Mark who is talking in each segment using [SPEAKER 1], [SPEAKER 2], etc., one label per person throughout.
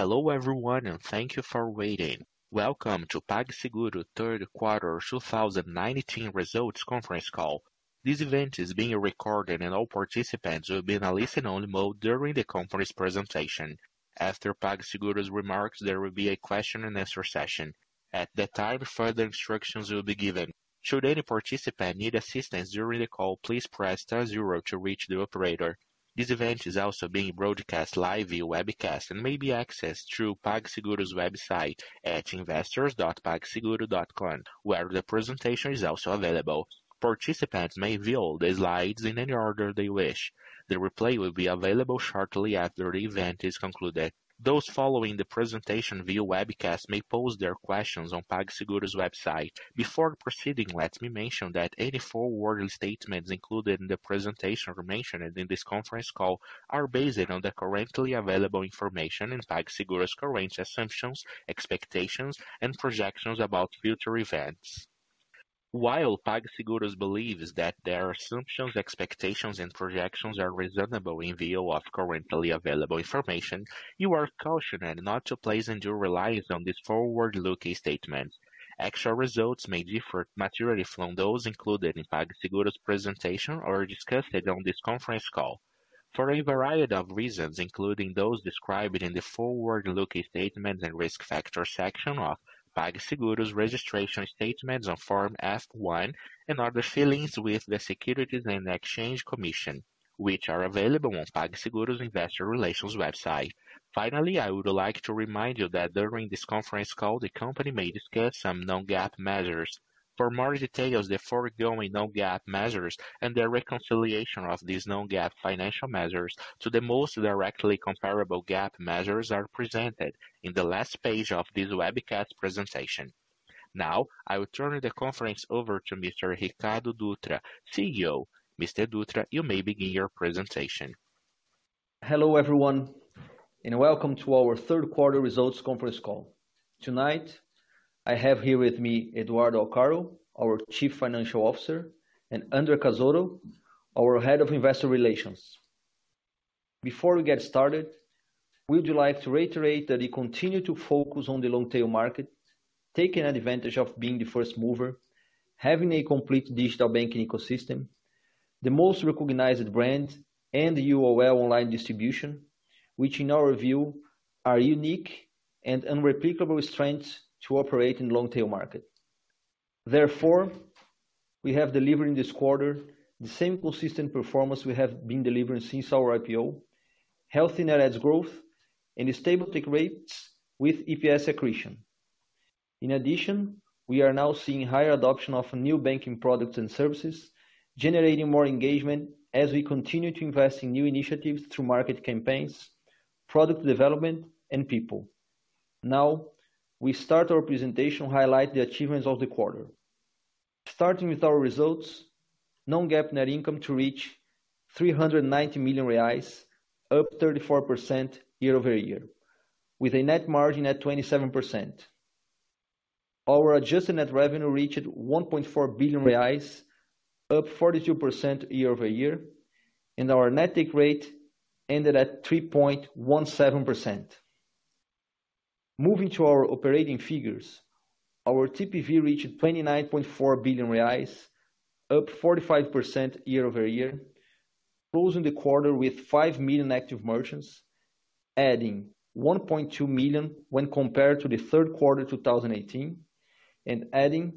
[SPEAKER 1] Hello everyone, and thank you for waiting. Welcome to PagSeguro third quarter 2019 results conference call. This event is being recorded and all participants will be in a listen only mode during the company's presentation. After PagSeguro's remarks, there will be a question and answer session. At that time, further instructions will be given. Should any participant need assistance during the call, please press star zero to reach the operator. This event is also being broadcast live via webcast and may be accessed through PagSeguro's website at investors.pagseguro.com, where the presentation is also available. Participants may view the slides in any order they wish. The replay will be available shortly after the event is concluded. Those following the presentation via webcast may pose their questions on PagSeguro's website. Before proceeding, let me mention that any forward-looking statements included in the presentation or mentioned in this conference call are based on the currently available information and PagSeguro's current assumptions, expectations, and projections about future events. While PagSeguro believes that their assumptions, expectations, and projections are reasonable in view of currently available information, you are cautioned not to place undue reliance on these forward-looking statements. Actual results may differ materially from those included in PagSeguro's presentation or discussed on this conference call for a variety of reasons, including those described in the forward-looking statements and risk factor section of PagSeguro's registration statements on Form F-1 and other filings with the Securities and Exchange Commission, which are available on PagSeguro's Investor Relations website. Finally, I would like to remind you that during this conference call, the company may discuss some non-GAAP measures. For more details, the foregoing non-GAAP measures and their reconciliation of these non-GAAP financial measures to the most directly comparable GAAP measures are presented in the last page of this webcast presentation. Now, I will turn the conference over to Mr. Ricardo Dutra, CEO. Mr. Dutra, you may begin your presentation.
[SPEAKER 2] Hello everyone, welcome to our third quarter results conference call. Tonight, I have here with me Eduardo Alcaro, our Chief Financial Officer, and Andre Cazotto, our Head of Investor Relations. Before we get started, we would like to reiterate that we continue to focus on the long tail market, taking advantage of being the first mover, having a complete digital banking ecosystem, the most recognized brand, and UOL online distribution, which in our view are unique and unreplicable strengths to operate in long tail market. We have delivered in this quarter the same consistent performance we have been delivering since our IPO, healthy net adds growth and stable take rates with EPS accretion. We are now seeing higher adoption of new banking products and services, generating more engagement as we continue to invest in new initiatives through market campaigns, product development, and people. Now we start our presentation highlighting the achievements of the quarter. Starting with our results, non-GAAP net income to reach 390 million reais, up 34% year-over-year, with a net margin at 27%. Our adjusted net revenue reached 1.4 billion reais, up 42% year-over-year, and our net take rate ended at 3.17%. Moving to our operating figures, our TPV reached 29.4 billion reais, up 45% year-over-year, closing the quarter with 5 million active merchants, adding 1.2 million when compared to the third quarter 2018 and adding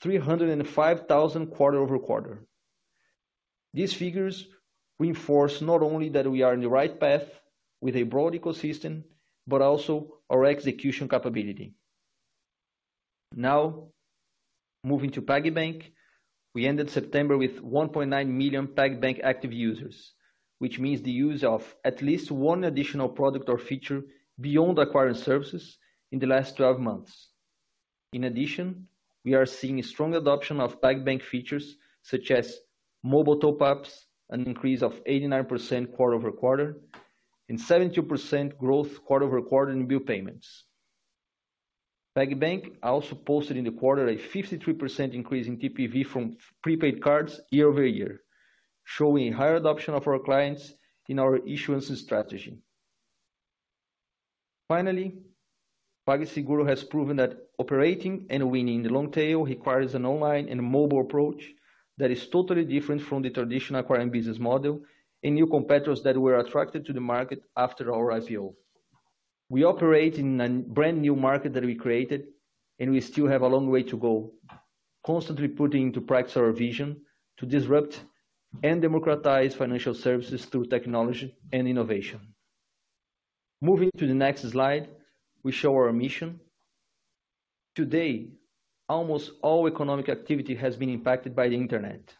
[SPEAKER 2] 305,000 quarter-over-quarter. These figures reinforce not only that we are on the right path with a broad ecosystem, but also our execution capability. Now moving to PagBank. We ended September with 1.9 million PagBank active users, which means the use of at least one additional product or feature beyond acquiring services in the last 12 months. In addition, we are seeing strong adoption of PagBank features such as mobile top-ups, an increase of 89% quarter-over-quarter and 72% growth quarter-over-quarter in bill payments. PagBank also posted in the quarter a 53% increase in TPV from prepaid cards year-over-year, showing higher adoption of our clients in our issuances strategy. PagSeguro has proven that operating and winning in the long tail requires an online and mobile approach that is totally different from the traditional acquiring business model and new competitors that were attracted to the market after our IPO. We operate in a brand new market that we created, we still have a long way to go. Constantly putting into practice our vision to disrupt and democratize financial services through technology and innovation. Moving to the next slide, we show our mission. Today, almost all economic activity has been impacted by the internet.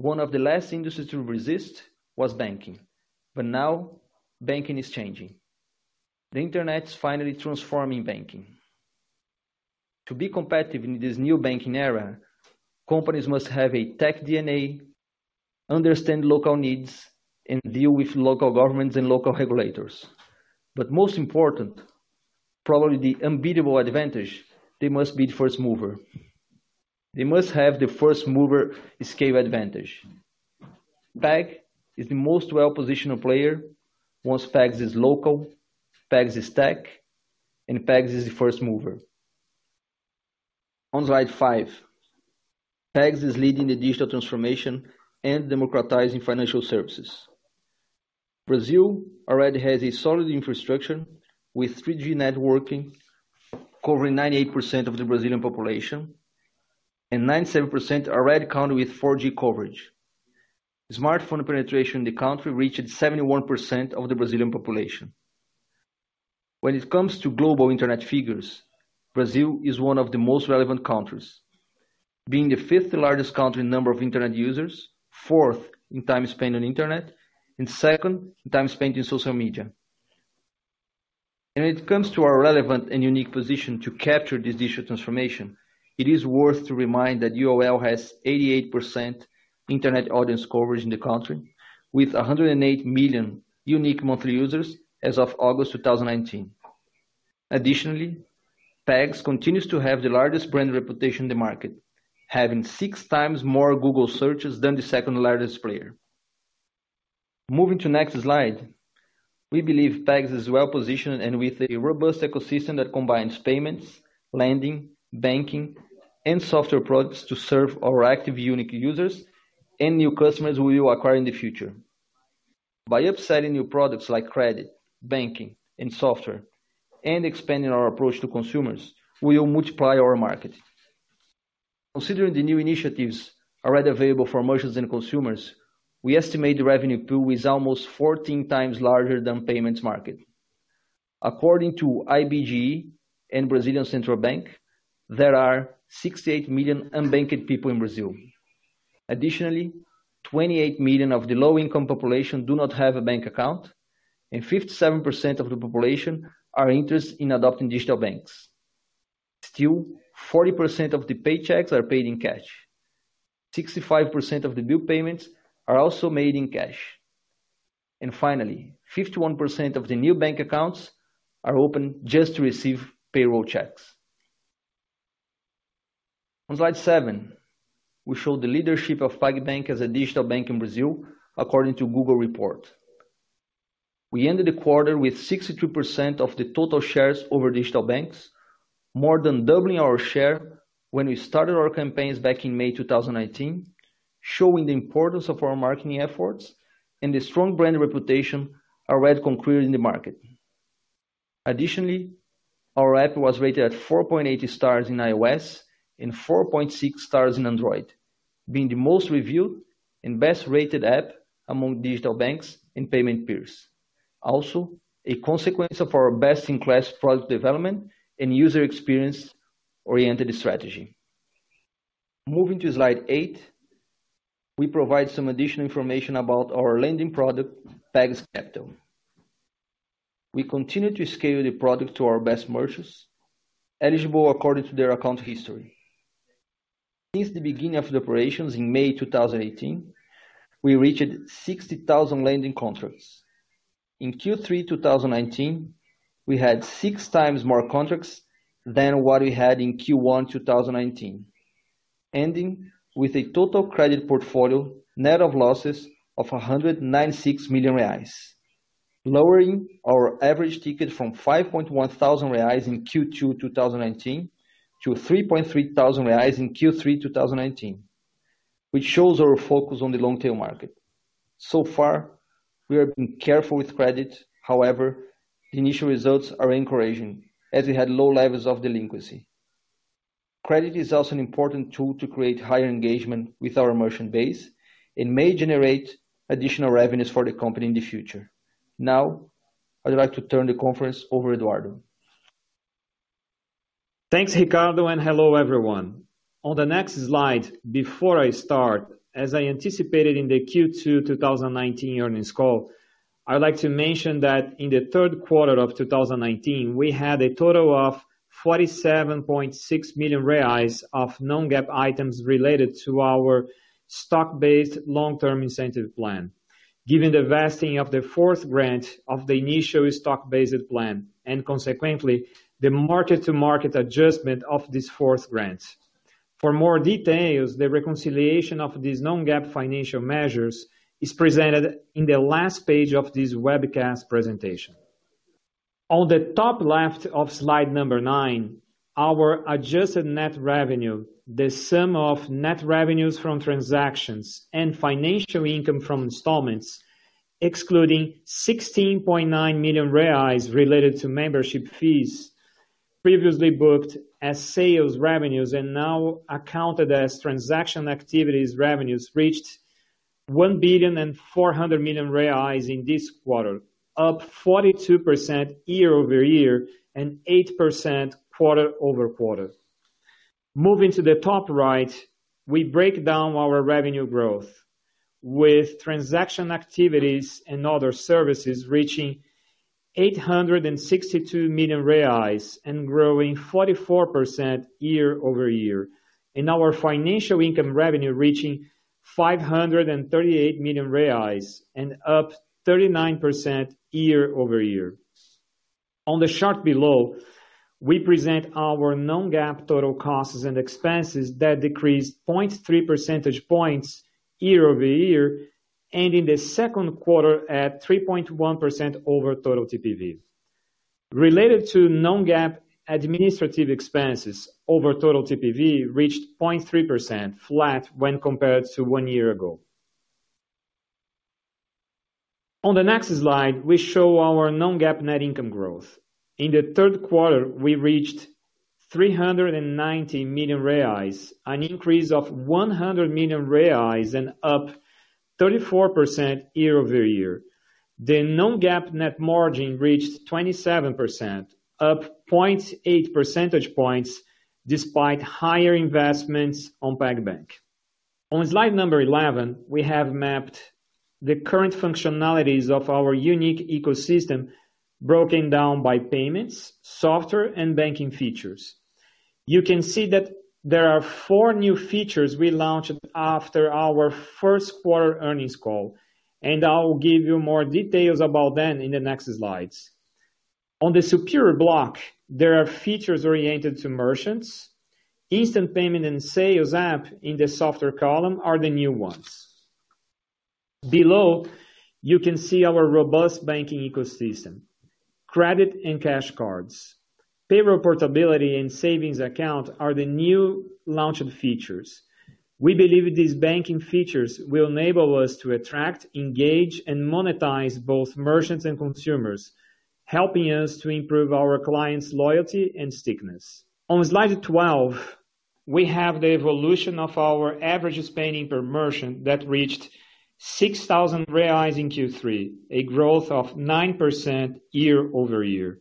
[SPEAKER 2] One of the last industries to resist was banking. Now banking is changing. The internet's finally transforming banking. To be competitive in this new banking era, companies must have a tech DNA, understand local needs, and deal with local governments and local regulators. Most important, probably the unbeatable advantage, they must be the first mover. They must have the first mover scale advantage. Pag is the most well-positioned player, once Pag is local, Pag is tech, and Pag is the first mover. On slide five, Pag is leading the digital transformation and democratizing financial services. Brazil already has a solid infrastructure, with 3G networking covering 98% of the Brazilian population, and 97% already covered with 4G coverage. Smartphone penetration in the country reached 71% of the Brazilian population. When it comes to global internet figures, Brazil is one of the most relevant countries, being the fifth-largest country in number of internet users, fourth in time spent on internet, and second in time spent in social media. When it comes to our relevant and unique position to capture this digital transformation, it is worth to remind that UOL has 88% internet audience coverage in the country, with 108 million unique monthly users as of August 2019. Additionally, Pag continues to have the largest brand reputation in the market, having six times more Google searches than the second-largest player. Moving to next slide. We believe Pag is well-positioned and with a robust ecosystem that combines payments, lending, banking, and software products to serve our active unique users and new customers we will acquire in the future. By upselling new products like credit, banking, and software, and expanding our approach to consumers, we will multiply our market. Considering the new initiatives already available for merchants and consumers, we estimate the revenue pool is almost 14 times larger than payments market. According to IBGE and Brazilian Central Bank, there are 68 million unbanked people in Brazil. Additionally, 28 million of the low-income population do not have a bank account, and 57% of the population are interested in adopting digital banks. Still, 40% of the paychecks are paid in cash. 65% of the bill payments are also made in cash. 51% of the new bank accounts are opened just to receive payroll checks. On slide seven, we show the leadership of PagBank as a digital bank in Brazil according to Google report. We ended the quarter with 62% of the total shares over digital banks, more than doubling our share when we started our campaigns back in May 2019, showing the importance of our marketing efforts and the strong brand reputation already conquered in the market. Additionally, our app was rated at 4.8 stars in iOS and 4.6 stars in Android, being the most reviewed and best-rated app among digital banks and payment peers. Also, a consequence of our best-in-class product development and user experience-oriented strategy. Moving to slide eight. We provide some additional information about our lending product, Pag Capital. We continue to scale the product to our best merchants, eligible according to their account history. Since the beginning of the operations in May 2018, we reached 60,000 lending contracts. In Q3 2019, we had six times more contracts than what we had in Q1 2019, ending with a total credit portfolio net of losses of 196 million reais. Lowering our average ticket from 5.1 thousand reais in Q2 2019 to 3.3 thousand reais in Q3 2019, which shows our focus on the long-tail market. So far, we have been careful with credit. However, the initial results are encouraging, as we had low levels of delinquency. Credit is also an important tool to create higher engagement with our merchant base and may generate additional revenues for the company in the future. Now, I'd like to turn the conference over to Eduardo.
[SPEAKER 3] Thanks, Ricardo, and hello, everyone. On the next slide, before I start, as I anticipated in the Q2 2019 earnings call, I would like to mention that in the third quarter of 2019, we had a total of 47.6 million reais of non-GAAP items related to our stock-based long-term incentive plan, given the vesting of the fourth grant of the initial stock-based plan, and consequently, the market-to-market adjustment of this fourth grant. For more details, the reconciliation of these non-GAAP financial measures is presented on the last page of this webcast presentation. On the top left of slide number nine, our adjusted net revenue, the sum of net revenues from transactions and financial income from installments, excluding 16.9 million reais related to membership fees previously booked as sales revenues and now accounted as transaction activities revenues, reached 1.4 billion in this quarter. Up 42% year-over-year and 8% quarter-over-quarter. Moving to the top right, we break down our revenue growth. With transaction activities and other services reaching 862 million reais and growing 44% year-over-year. Our financial income revenue reaching 538 million reais and up 39% year-over-year. On the chart below, we present our non-GAAP total costs and expenses that decreased 0.3 percentage points year-over-year, ending the second quarter at 3.1% over total TPV. Related to non-GAAP administrative expenses over total TPV reached 0.3% flat when compared to one year ago. On the next slide, we show our non-GAAP net income growth. In the third quarter, we reached 390 million reais, an increase of 100 million reais and up 34% year-over-year. The non-GAAP net margin reached 27%, up 0.8 percentage points despite higher investments on PagBank. On slide number 11, we have mapped the current functionalities of our unique ecosystem, broken down by payments, software, and banking features. You can see that there are four new features we launched after our first quarter earnings call, and I'll give you more details about them in the next slides. On the superior block, there are features oriented to merchants. Instant payment and sales app in the software column are the new ones. Below, you can see our robust banking ecosystem. Credit and cash cards. Payroll portability and savings account are the new launched features. We believe these banking features will enable us to attract, engage and monetize both merchants and consumers, helping us to improve our clients' loyalty and stickiness. On slide 12, we have the evolution of our average spending per merchant that reached 6,000 reais in Q3, a growth of 9% year-over-year.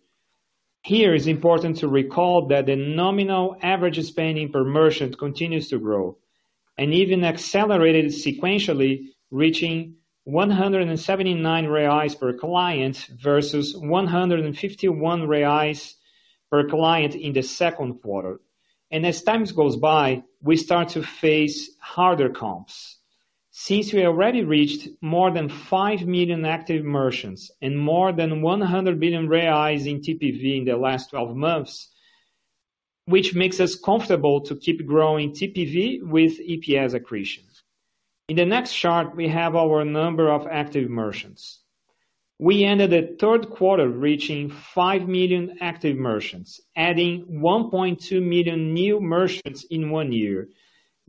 [SPEAKER 3] Here, it's important to recall that the nominal average spending per merchant continues to grow, and even accelerated sequentially, reaching 179 reais per client versus 151 reais per client in the second quarter. As time goes by, we start to face harder comps. Since we already reached more than 5 million active merchants and more than 100 billion in TPV in the last 12 months, which makes us comfortable to keep growing TPV with EPS accretion. In the next chart, we have our number of active merchants. We ended the third quarter reaching 5 million active merchants, adding 1.2 million new merchants in one year,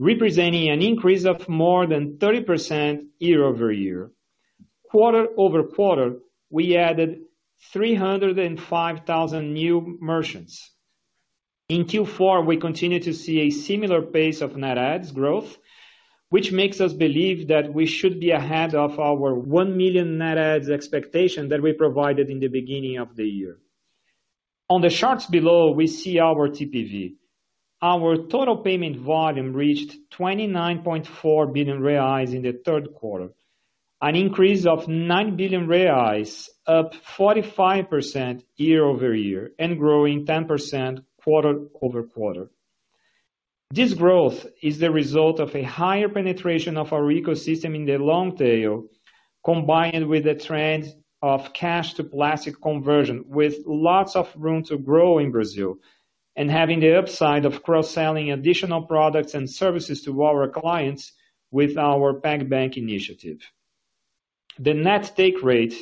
[SPEAKER 3] representing an increase of more than 30% year-over-year. Quarter-over-quarter, we added 305,000 new merchants. In Q4, we continue to see a similar pace of net adds growth, which makes us believe that we should be ahead of our 1 million net adds expectation that we provided in the beginning of the year. On the charts below, we see our TPV. Our total payment volume reached 29.4 billion reais in the third quarter, an increase of 9 billion reais, up 45% year-over-year and growing 10% quarter-over-quarter. This growth is the result of a higher penetration of our ecosystem in the long tail, combined with the trend of cash-to-plastic conversion, with lots of room to grow in Brazil, and having the upside of cross-selling additional products and services to our clients with our PagBank initiative. The net take rate,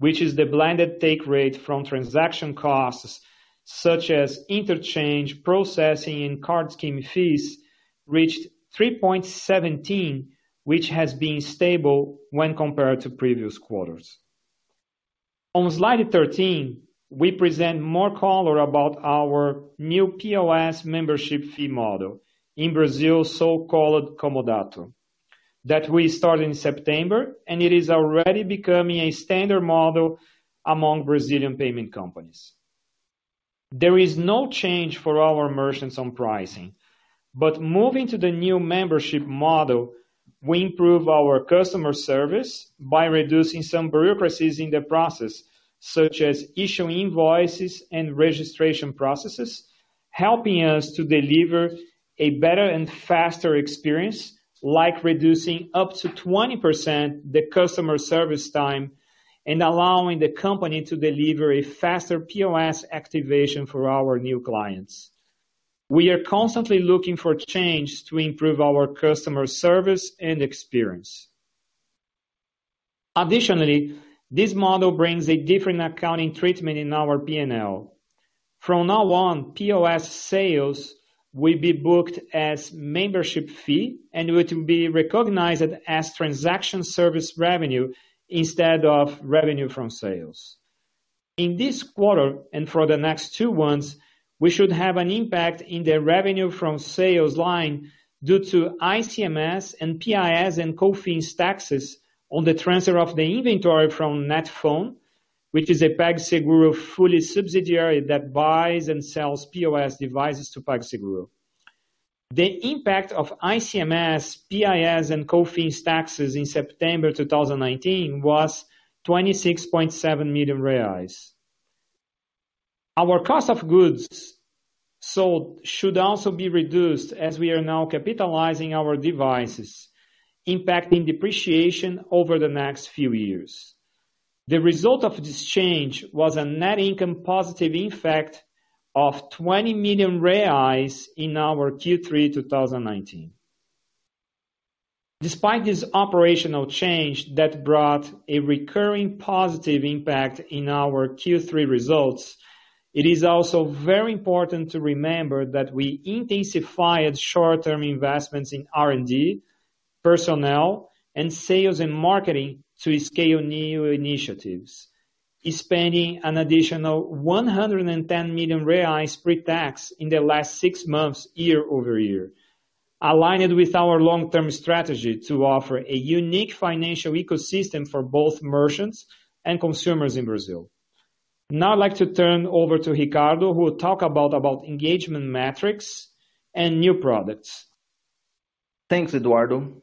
[SPEAKER 3] which is the blended take rate from transaction costs such as interchange, processing, and card scheme fees, reached 3.17%, which has been stable when compared to previous quarters. On slide 13, we present more color about our new POS membership fee model in Brazil, so-called Comodato. It is already becoming a standard model among Brazilian payment companies. There is no change for our merchants on pricing. Moving to the new membership model, we improve our customer service by reducing some bureaucracies in the process, such as issuing invoices and registration processes, helping us to deliver a better and faster experience, like reducing up to 20% the customer service time and allowing the company to deliver a faster POS activation for our new clients. We are constantly looking for change to improve our customer service and experience. Additionally, this model brings a different accounting treatment in our P&L. From now on, POS sales will be booked as membership fee and will be recognized as transaction service revenue instead of revenue from sales. In this quarter and for the next two ones, we should have an impact in the revenue from sales line due to ICMS and PIS and COFINS taxes on the transfer of the inventory from Net+FONE, which is a PagSeguro fully subsidiary that buys and sells POS devices to PagSeguro. The impact of ICMS, PIS and COFINS taxes in September 2019 was 26.7 million reais. Our cost of goods sold should also be reduced as we are now capitalizing our devices, impacting depreciation over the next few years. The result of this change was a net income positive effect of 20 million reais in our Q3 2019. Despite this operational change that brought a recurring positive impact in our Q3 results, it is also very important to remember that we intensified short-term investments in R&D, personnel, and sales and marketing to scale new initiatives. Spending an additional 110 million reais pre-tax in the last six months, year-over-year, aligned with our long-term strategy to offer a unique financial ecosystem for both merchants and consumers in Brazil. I'd like to turn over to Ricardo, who will talk about engagement metrics and new products.
[SPEAKER 2] Thanks, Eduardo.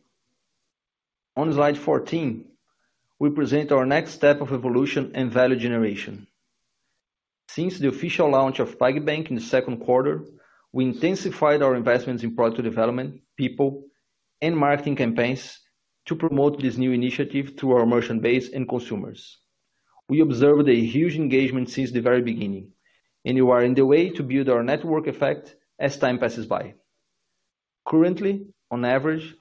[SPEAKER 2] On slide 14, we present our next step of evolution and value generation. Since the official launch of PagBank in the second quarter, we intensified our investments in product development, people, and marketing campaigns to promote this new initiative to our merchant base and consumers. We observed a huge engagement since the very beginning, and we are on the way to build our network effect as time passes by. Currently, on average,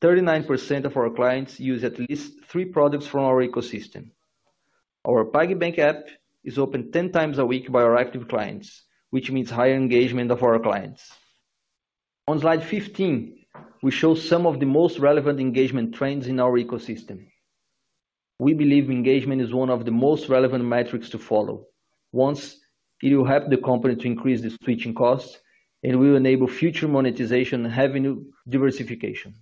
[SPEAKER 2] 39% of our clients use at least three products from our ecosystem. Our PagBank app is opened 10 times a week by our active clients, which means higher engagement of our clients. On slide 15, we show some of the most relevant engagement trends in our ecosystem. We believe engagement is one of the most relevant metrics to follow. Once it will help the company to increase the switching costs, it will enable future monetization and revenue diversification.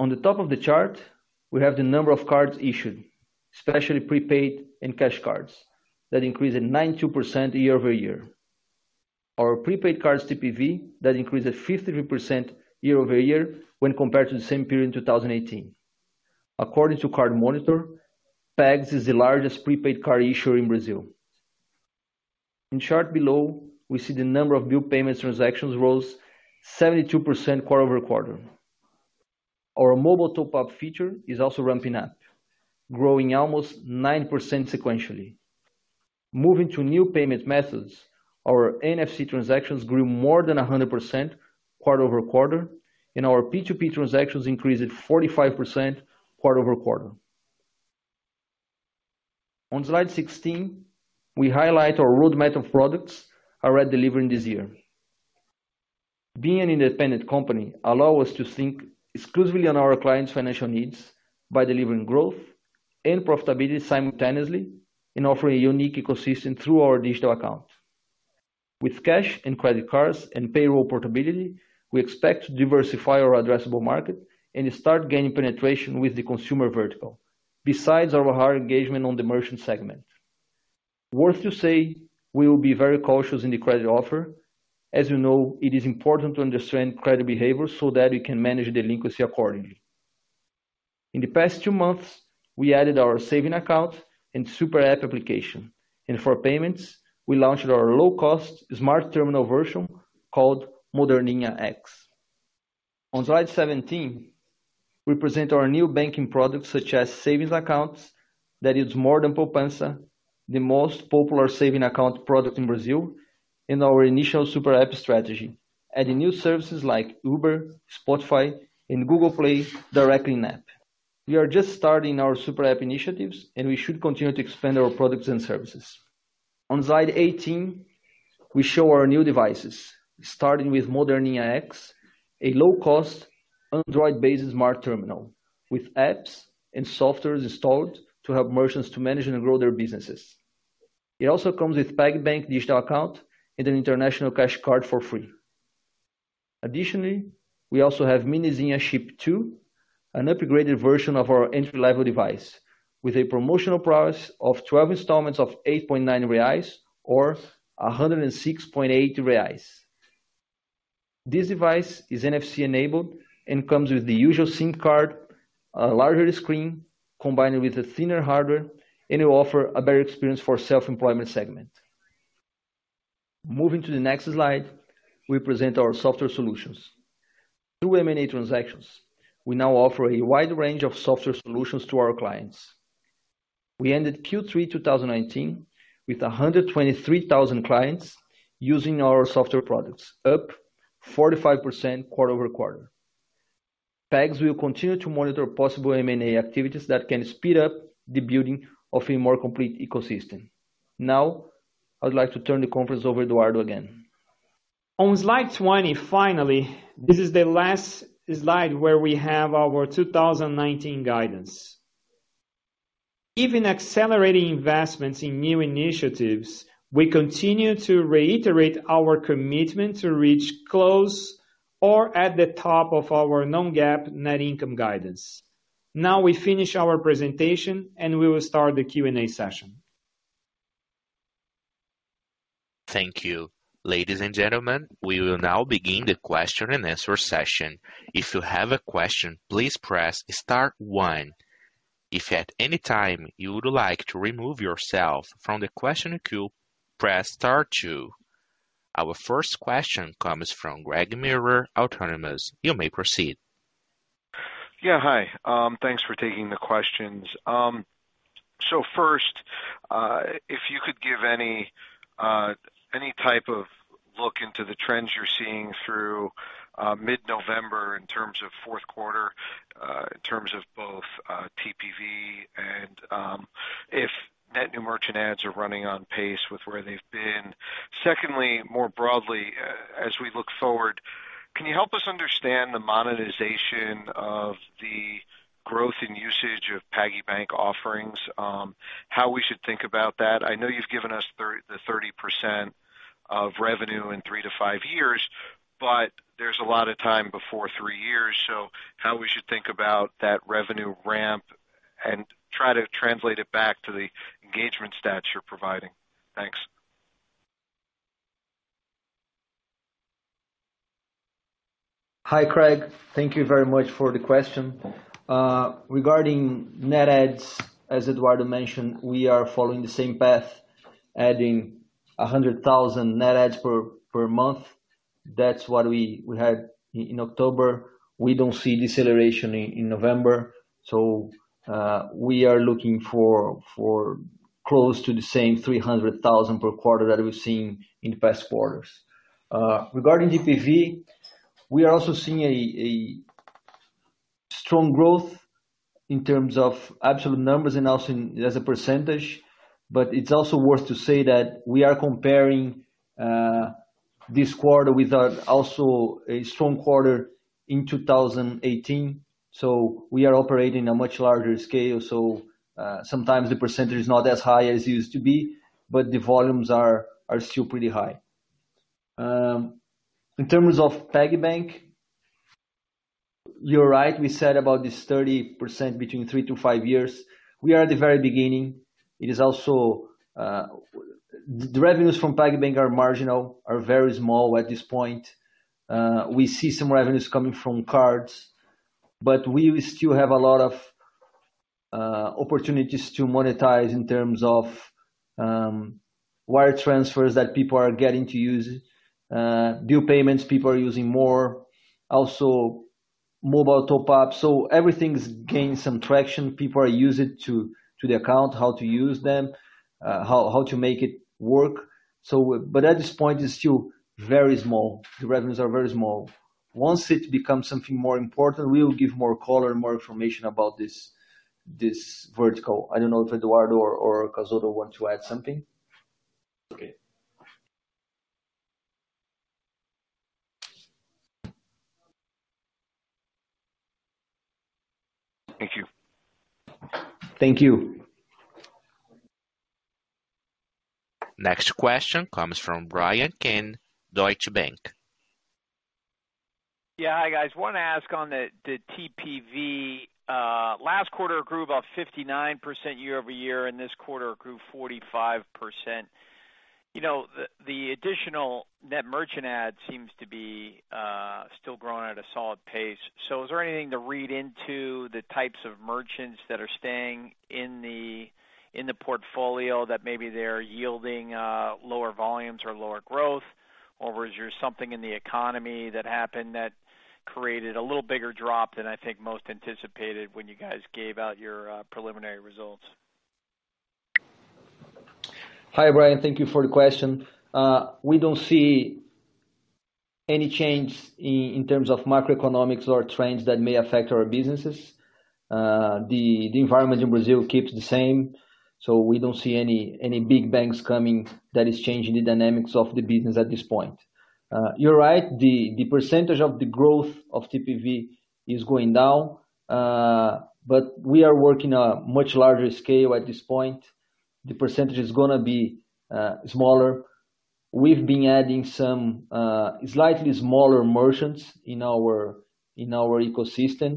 [SPEAKER 2] On the top of the chart, we have the number of cards issued, especially prepaid and cash cards that increased at 92% year-over-year. Our prepaid cards TPV that increased at 53% year-over-year when compared to the same period in 2018. According to Card Monitor, PagSeguro is the largest prepaid card issuer in Brazil. In chart below, we see the number of bill payment transactions rose 72% quarter-over-quarter. Our mobile top-up feature is also ramping up, growing almost 9% sequentially. Moving to new payment methods, our NFC transactions grew more than 100% quarter-over-quarter, and our P2P transactions increased at 45% quarter-over-quarter. On slide 16, we highlight our roadmap of products are delivering this year. Being an independent company allows us to think exclusively on our clients' financial needs by delivering growth and profitability simultaneously and offering a unique ecosystem through our digital account. With cash and credit cards and payroll portability, we expect to diversify our addressable market and start gaining penetration with the consumer vertical, besides our higher engagement on the merchant segment. It is worth to say, we will be very cautious in the credit offer. As you know, it is important to understand credit behavior so that we can manage delinquency accordingly. In the past two months, we added our savings account and Super App application, and for payments, we launched our low-cost smart terminal version called Moderninha X. On slide 17, we present our new banking products, such as savings accounts that use more than Poupança, the most popular savings account product in Brazil, and our initial Super App strategy. Adding new services like Uber, Spotify, and Google Play directly in the app. We are just starting our Super App initiatives, and we should continue to expand our products and services. On slide 18, we show our new devices. Starting with Moderninha X, a low-cost Android-based smart terminal with apps and software installed to help merchants to manage and grow their businesses. It also comes with PagBank digital account and an international cash card for free. Additionally, we also have Minizinha Chip 2, an upgraded version of our entry-level device with a promotional price of 12 installments of 8.9 reais or 106.80 reais. This device is NFC enabled and comes with the usual SIM card, a larger screen combined with a thinner hardware, and it will offer a better experience for self-employment segment. Moving to the next slide, we present our software solutions. Through M&A transactions, we now offer a wide range of software solutions to our clients. We ended Q3 2019 with 123,000 clients using our software products, up 45% quarter-over-quarter. PagSeguro will continue to monitor possible M&A activities that can speed up the building of a more complete ecosystem. I'd like to turn the conference over to Eduardo again.
[SPEAKER 3] On slide 20, finally, this is the last slide where we have our 2019 guidance. Even accelerating investments in new initiatives, we continue to reiterate our commitment to reach close or at the top of our non-GAAP net income guidance. We finish our presentation, and we will start the Q&A session.
[SPEAKER 1] Thank you. Ladies and gentlemen, we will now begin the question and answer session. If you have a question, please press star one. If at any time you would like to remove yourself from the question queue, press star two. Our first question comes from Craig Meurer, Autonomous Research. You may proceed.
[SPEAKER 4] Yeah, hi. Thanks for taking the questions. First, if you could give any type of look into the trends you're seeing through mid-November in terms of fourth quarter, in terms of both TPV and if net new merchant adds are running on pace with where they've been. Secondly, more broadly, as we look forward, can you help us understand the monetization of the growth in usage of PagBank offerings? How we should think about that? I know you've given us the 30% of revenue in 3-5 years, but there's a lot of time before 3 years, how we should think about that revenue ramp and try to translate it back to the engagement stats you're providing. Thanks.
[SPEAKER 2] Hi, Craig. Thank you very much for the question. Regarding net adds, as Eduardo mentioned, we are following the same path, adding 100,000 net adds per month. That's what we had in October. We don't see deceleration in November, we are looking for close to the same 300,000 per quarter that we've seen in the past quarters. Regarding TPV, we are also seeing a strong growth in terms of absolute numbers and also as a percentage. It's also worth to say that we are comparing this quarter with also a strong quarter in 2018. We are operating a much larger scale. Sometimes the percentage is not as high as it used to be, but the volumes are still pretty high. In terms of PagBank, you're right, we said about this 30% between 3-5 years. We are at the very beginning. The revenues from PagBank are marginal, are very small at this point. We see some revenues coming from cards, but we will still have a lot of opportunities to monetize in terms of wire transfers that people are getting to use. Bill payments, people are using more, also mobile top-up. Everything's gained some traction. People are used to the account, how to use them, how to make it work. At this point, it's still very small. The revenues are very small. Once it becomes something more important, we will give more color, more information about this vertical. I don't know if Eduardo or Cazotto want to add something. Okay.
[SPEAKER 4] Thank you.
[SPEAKER 2] Thank you.
[SPEAKER 1] Next question comes from Bryan Keane, Deutsche Bank.
[SPEAKER 5] Yeah, hi guys. I want to ask on the TPV. Last quarter it grew about 59% year-over-year, and this quarter it grew 45%. The additional net merchant adds seems to be still growing at a solid pace. Is there anything to read into the types of merchants that are staying in the portfolio that maybe they're yielding lower volumes or lower growth? Is there something in the economy that happened that created a little bigger drop than I think most anticipated when you guys gave out your preliminary results?
[SPEAKER 2] Hi, Bryan. Thank you for the question. We don't see any change in terms of macroeconomics or trends that may affect our businesses. The environment in Brazil keeps the same. We don't see any big bangs coming that is changing the dynamics of the business at this point. You're right, the percentage of the growth of TPV is going down. We are working a much larger scale at this point. The percentage is going to be smaller. We've been adding some slightly smaller merchants in our ecosystem,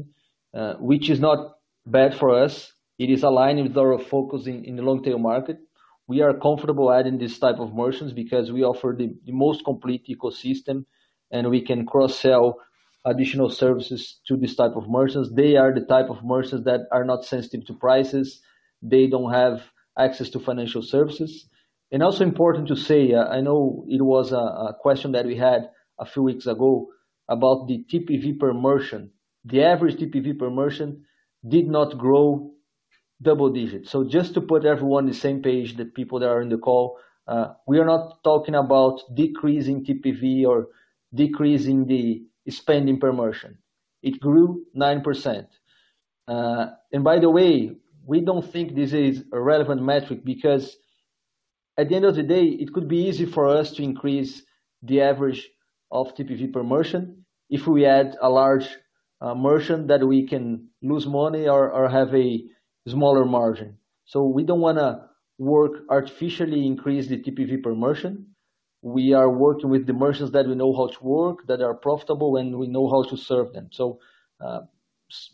[SPEAKER 2] which is not bad for us. It is aligned with our focus in the long-tail market. We are comfortable adding these type of merchants because we offer the most complete ecosystem. We can cross-sell additional services to these type of merchants. They are the type of merchants that are not sensitive to prices. They don't have access to financial services. Also important to say, I know it was a question that we had a few weeks ago about the TPV per merchant. The average TPV per merchant did not grow double digits. Just to put everyone on the same page, the people that are on the call, we are not talking about decreasing TPV or decreasing the spending per merchant. It grew 9%. By the way, we don't think this is a relevant metric because at the end of the day, it could be easy for us to increase the average of TPV per merchant if we add a large merchant that we can lose money or have a smaller margin. We don't want to work artificially increase the TPV per merchant. We are working with the merchants that we know how to work, that are profitable, and we know how to serve them.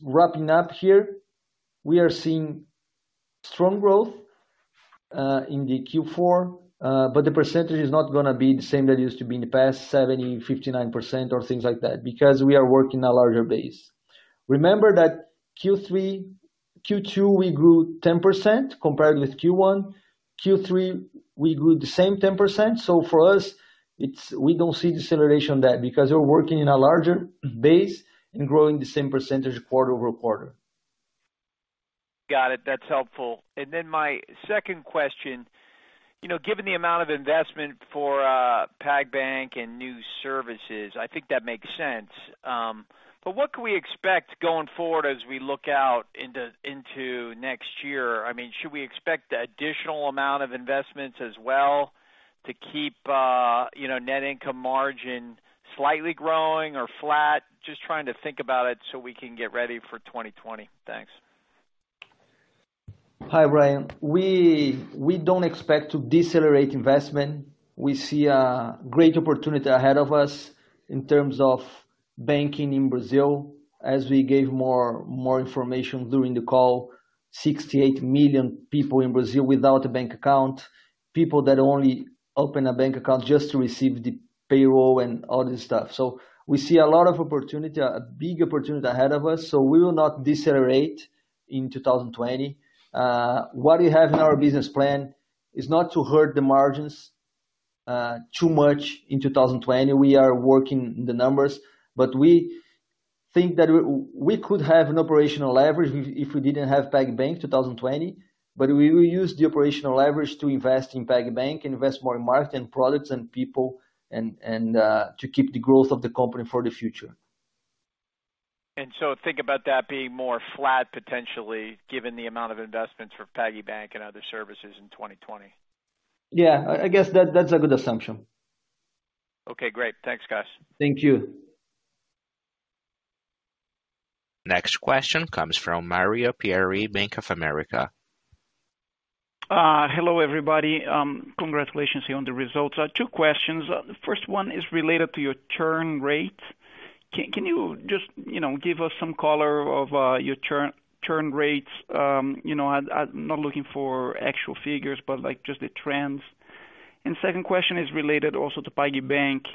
[SPEAKER 2] Wrapping up here, we are seeing strong growth in the Q4, but the percentage is not going to be the same that used to be in the past 70%, 59% or things like that, because we are working a larger base. Remember that Q2, we grew 10% compared with Q1. Q3, we grew the same 10%. For us, we don't see deceleration there because we're working in a larger base and growing the same percentage quarter-over-quarter.
[SPEAKER 5] Got it. That's helpful. My second question. Given the amount of investment for PagBank and new services, I think that makes sense. What can we expect going forward as we look out into next year? Should we expect additional amount of investments as well to keep net income margin slightly growing or flat? Just trying to think about it so we can get ready for 2020. Thanks.
[SPEAKER 2] Hi, Bryan. We don't expect to decelerate investment. We see a great opportunity ahead of us in terms of banking in Brazil. As we gave more information during the call, 68 million people in Brazil without a bank account, people that only open a bank account just to receive the payroll and all this stuff. We see a lot of opportunity, a big opportunity ahead of us. We will not decelerate in 2020. What we have in our business plan is not to hurt the margins too much in 2020. We think that we could have an operational leverage if we didn't have PagBank 2020, but we will use the operational leverage to invest in PagBank and invest more in marketing, products and people, and to keep the growth of the company for the future.
[SPEAKER 5] Think about that being more flat potentially given the amount of investments for PagBank and other services in 2020.
[SPEAKER 2] Yeah, I guess that's a good assumption.
[SPEAKER 5] Okay, great. Thanks, guys.
[SPEAKER 2] Thank you.
[SPEAKER 1] Next question comes from Mario Pierry, Bank of America.
[SPEAKER 6] Hello, everybody. Congratulations on the results. Two questions. The first one is related to your churn rate. Can you just give us some color of your churn rates? I'm not looking for actual figures, but just the trends. Second question is related also to PagBank.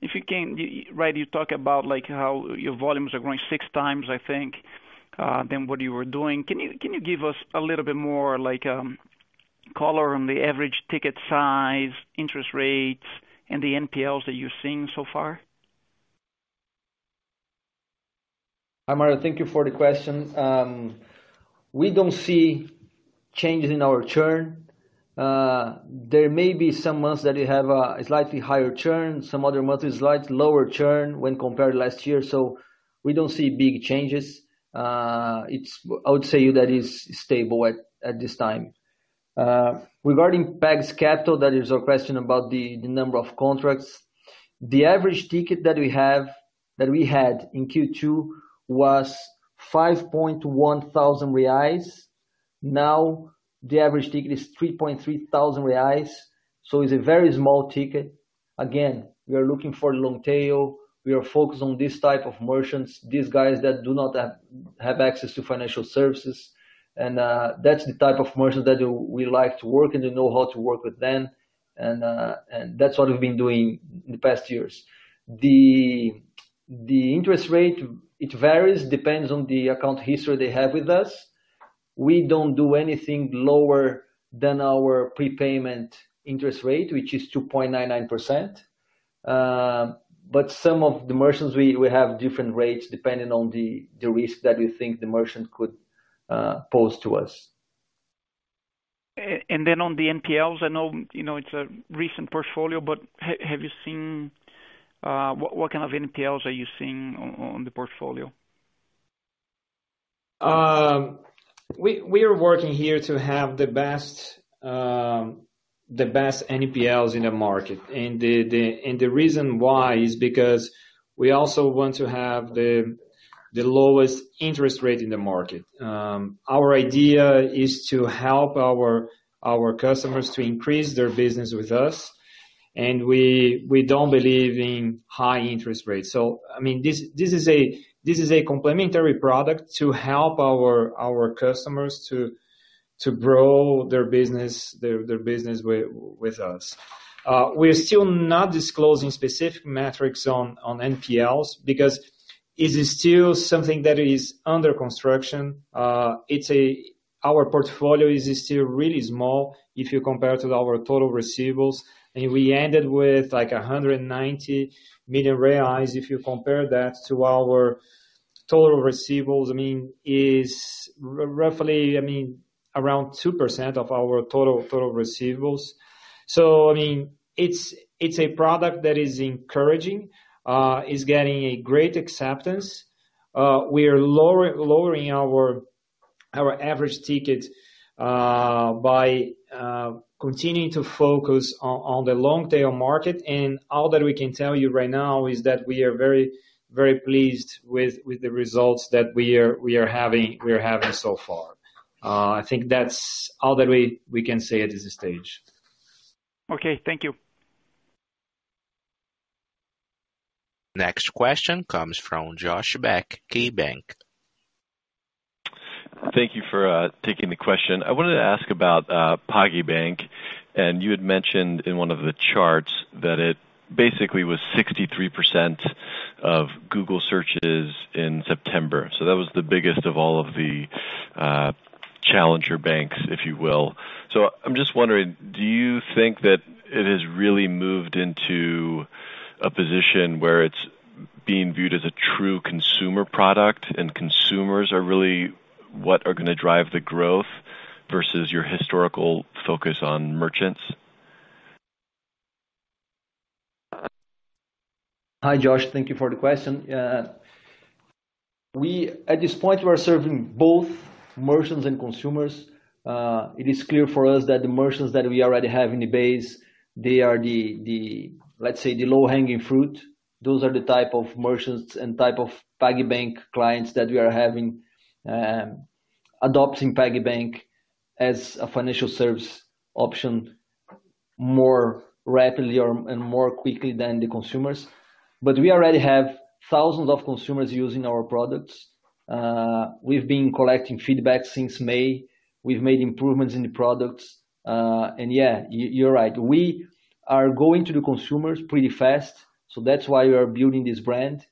[SPEAKER 6] You talk about how your volumes are growing six times, I think, than what you were doing. Can you give us a little bit more color on the average ticket size, interest rates, and the NPLs that you're seeing so far?
[SPEAKER 2] Hi, Mario. Thank you for the question. We don't see changes in our churn. There may be some months that we have a slightly higher churn, some other months a slight lower churn when compared last year. We don't see big changes. I would say that it's stable at this time. Regarding Pag Capital, that is your question about the number of contracts. The average ticket that we had in Q2 was 5.1 thousand reais. Now the average ticket is 3.3 thousand reais, so it's a very small ticket. We are looking for the long tail. We are focused on this type of merchants, these guys that do not have access to financial services. That's the type of merchants that we like to work and to know how to work with them, and that's what we've been doing in the past years. The interest rate, it varies, depends on the account history they have with us. We don't do anything lower than our prepayment interest rate, which is 2.99%. Some of the merchants, we have different rates depending on the risk that we think the merchant could pose to us.
[SPEAKER 6] On the NPLs, I know it's a recent portfolio, but what kind of NPLs are you seeing on the portfolio?
[SPEAKER 2] We are working here to have the best NPLs in the market. The reason why is because we also want to have the lowest interest rate in the market. Our idea is to help our customers to increase their business with us, and we don't believe in high interest rates. This is a complementary product to help our customers to grow their business with us. We are still not disclosing specific metrics on NPLs because it is still something that is under construction. Our portfolio is still really small if you compare to our total receivables. We ended with 190 million reais. If you compare that to our total receivables, it's roughly around 2% of our total receivables. It's a product that is encouraging. It's getting a great acceptance. We are lowering our average ticket by continuing to focus on the long tail market. All that we can tell you right now is that we are very pleased with the results that we are having so far. I think that is all that we can say at this stage.
[SPEAKER 6] Okay. Thank you.
[SPEAKER 1] Next question comes from Josh Beck, KeyBanc.
[SPEAKER 7] Thank you for taking the question. I wanted to ask about PagBank, and you had mentioned in one of the charts that it basically was 63% of Google searches in September. That was the biggest of all of the challenger banks, if you will. I'm just wondering, do you think that it has really moved into a position where it's being viewed as a true consumer product, and consumers are really what are going to drive the growth versus your historical focus on merchants?
[SPEAKER 2] Hi, Josh. Thank you for the question. At this point, we're serving both merchants and consumers. It is clear for us that the merchants that we already have in the base, they are the, let's say, the low-hanging fruit. Those are the type of merchants and type of PagBank clients that we are having, adopting PagBank as a financial service option more rapidly and more quickly than the consumers. We already have thousands of consumers using our products. We've been collecting feedback since May. We've made improvements in the products. Yeah, you're right. We are going to the consumers pretty fast, so that's why we are building this brand.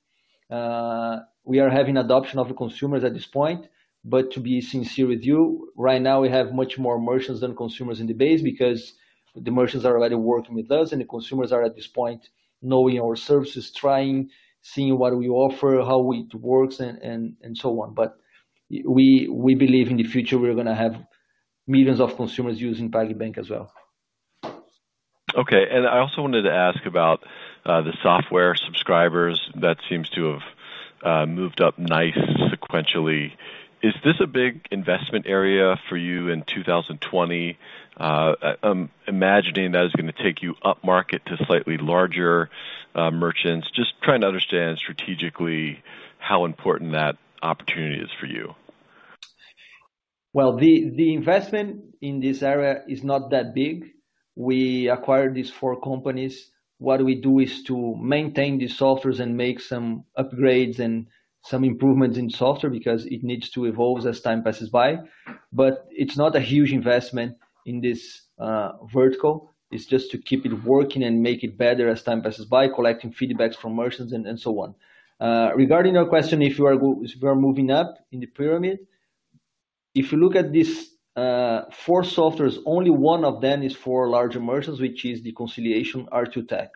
[SPEAKER 2] We are having adoption of the consumers at this point. To be sincere with you, right now, we have much more merchants than consumers in the base because the merchants are already working with us, and the consumers are, at this point, knowing our services, trying, seeing what we offer, how it works, and so on. We believe in the future we're going to have millions of consumers using PagBank as well.
[SPEAKER 7] Okay. I also wanted to ask about the software subscribers that seems to have moved up nicely sequentially. Is this a big investment area for you in 2020? I'm imagining that is going to take you upmarket to slightly larger merchants. Just trying to understand strategically how important that opportunity is for you.
[SPEAKER 2] The investment in this area is not that big. We acquired these four companies. What we do is to maintain the softwares and make some upgrades and some improvements in software because it needs to evolve as time passes by. It's not a huge investment in this vertical. It's just to keep it working and make it better as time passes by, collecting feedbacks from merchants and so on. Regarding your question, if we're moving up in the pyramid, if you look at these four softwares, only one of them is for larger merchants, which is the conciliation r2tech.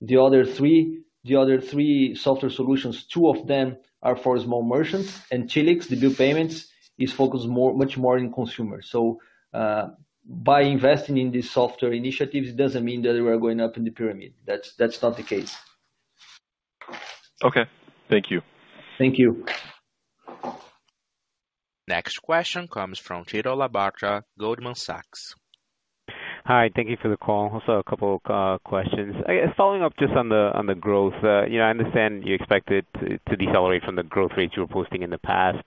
[SPEAKER 2] The other three software solutions, two of them are for small merchants, and Celcoin, the bill payments, is focused much more in consumers. By investing in these software initiatives, it doesn't mean that we are going up in the pyramid. That's not the case.
[SPEAKER 7] Okay. Thank you.
[SPEAKER 2] Thank you.
[SPEAKER 1] Next question comes from Tito Labarta, Goldman Sachs.
[SPEAKER 8] Hi, thank you for the call. A couple questions. Following up just on the growth. I understand you expect it to decelerate from the growth rates you were posting in the past.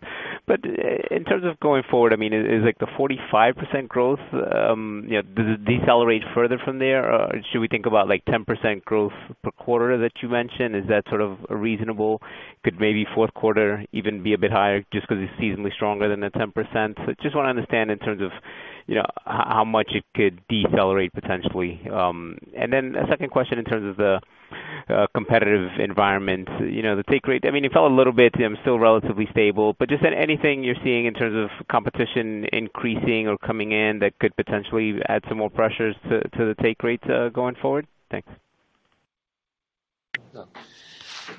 [SPEAKER 8] In terms of going forward, is like the 45% growth, does it decelerate further from there, or should we think about 10% growth per quarter that you mentioned? Is that sort of reasonable? Could maybe fourth quarter even be a bit higher just because it's seasonally stronger than the 10%? Just want to understand in terms of how much it could decelerate potentially. A second question in terms of the competitive environment. The take rate, it fell a little bit, still relatively stable, but just anything you're seeing in terms of competition increasing or coming in that could potentially add some more pressures to the take rates going forward? Thanks.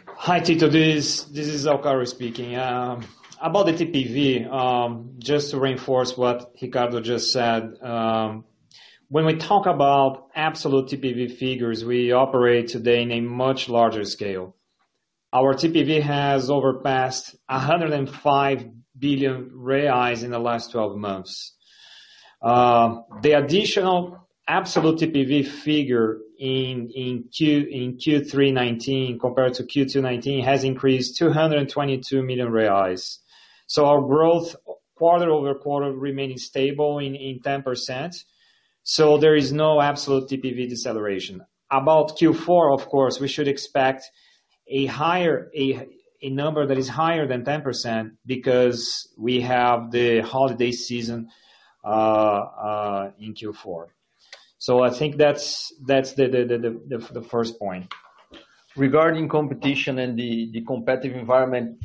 [SPEAKER 3] Hi, Tito. This is Alcaro speaking. About the TPV, just to reinforce what Ricardo just said. When we talk about absolute TPV figures, we operate today in a much larger scale. Our TPV has overpassed 105 billion reais in the last 12 months. The additional absolute TPV figure in Q3 2019 compared to Q2 2019 has increased 222 million reais. Our growth quarter-over-quarter remaining stable in 10%. There is no absolute TPV deceleration. About Q4, of course, we should expect a number that is higher than 10% because we have the holiday season in Q4. I think that's the first point. Regarding competition and the competitive environment,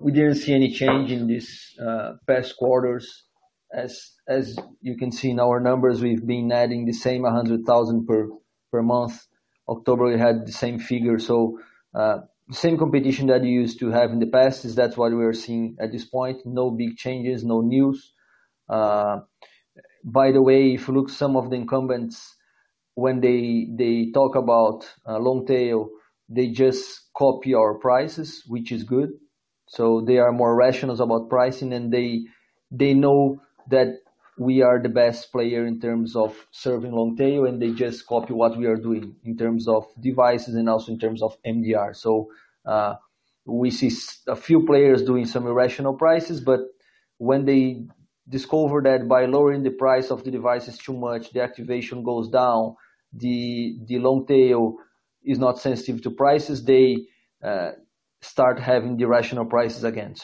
[SPEAKER 3] we didn't see any change in these past quarters. As you can see in our numbers, we've been adding the same 100,000 per month. October, we had the same figure. Same competition that we used to have in the past, is that what we are seeing at this point. No big changes, no news. By the way, if you look some of the incumbents, when they talk about long tail, they just copy our prices, which is good. They are more rational about pricing, and they know that we are the best player in terms of serving long tail, and they just copy what we are doing in terms of devices and also in terms of MDR. We see a few players doing some irrational prices, but when they discover that by lowering the price of the devices too much, the activation goes down, the long tail is not sensitive to prices. They start having the irrational prices again.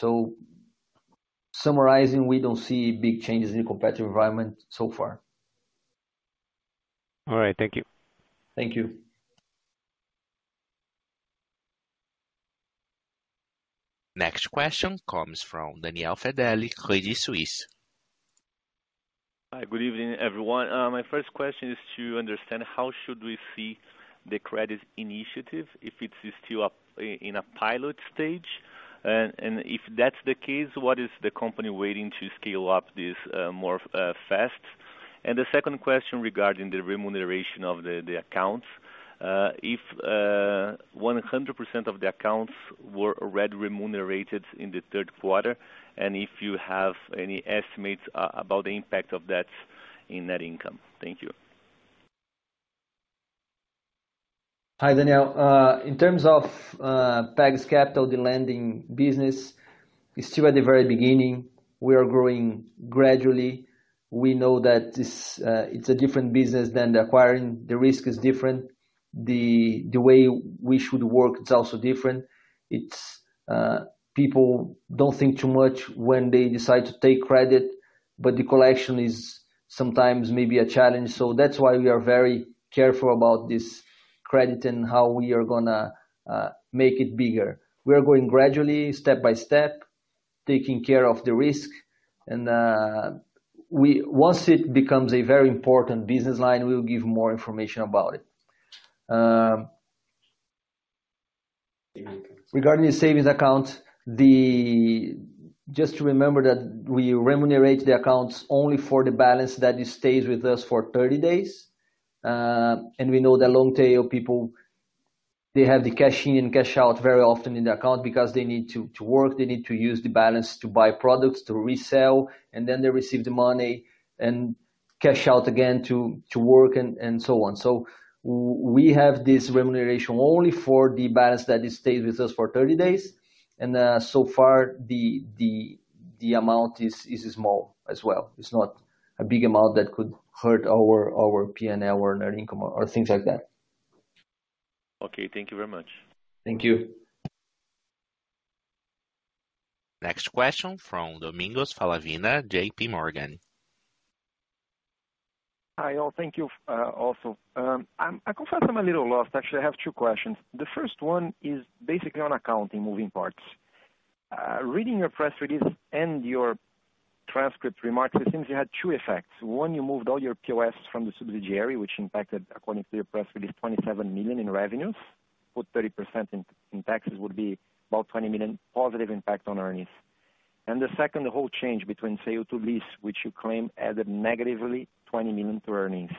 [SPEAKER 3] Summarizing, we don't see big changes in the competitive environment so far.
[SPEAKER 8] All right. Thank you.
[SPEAKER 2] Thank you.
[SPEAKER 1] Next question comes from Daniel Federle, Credit Suisse.
[SPEAKER 9] Hi, good evening, everyone. My first question is to understand how should we see the credit initiative if it is still in a pilot stage. If that's the case, what is the company waiting to scale up this more fast? The second question regarding the remuneration of the accounts. If 100% of the accounts were already remunerated in the third quarter, and if you have any estimates about the impact of that in net income? Thank you.
[SPEAKER 2] Hi, Daniel. In terms of Pag Capital, the lending business is still at the very beginning. We are growing gradually. We know that it's a different business than the acquiring. The risk is different. The way we should work is also different. People don't think too much when they decide to take credit, the collection is sometimes may be a challenge. That's why we are very careful about this credit and how we are going to make it bigger. We are going gradually, step by step, taking care of the risk, once it becomes a very important business line, we will give more information about it. Regarding the savings account, just remember that we remunerate the accounts only for the balance that it stays with us for 30 days. We know that long tail people, they have the cash in, cash out very often in the account because they need to work. They need to use the balance to buy products to resell, and then they receive the money and cash out again to work and so on. We have this remuneration only for the balance that it stayed with us for 30 days, and so far the amount is small as well. It's not a big amount that could hurt our P&L or net income or things like that.
[SPEAKER 9] Okay. Thank you very much.
[SPEAKER 2] Thank you.
[SPEAKER 1] Next question from Domingos Falavina, JP Morgan.
[SPEAKER 10] Hi, all. Thank you also. I confess I'm a little lost. Actually, I have two questions. The first one is basically on accounting moving parts. Reading your press release and your transcript remarks, it seems you had two effects. One, you moved all your POS from the subsidiary, which impacted, according to your press release, 27 million in revenues, put 30% in taxes would be about 20 million positive impact on earnings. The second, the whole change between sale to lease, which you claim added negatively 20 million to earnings.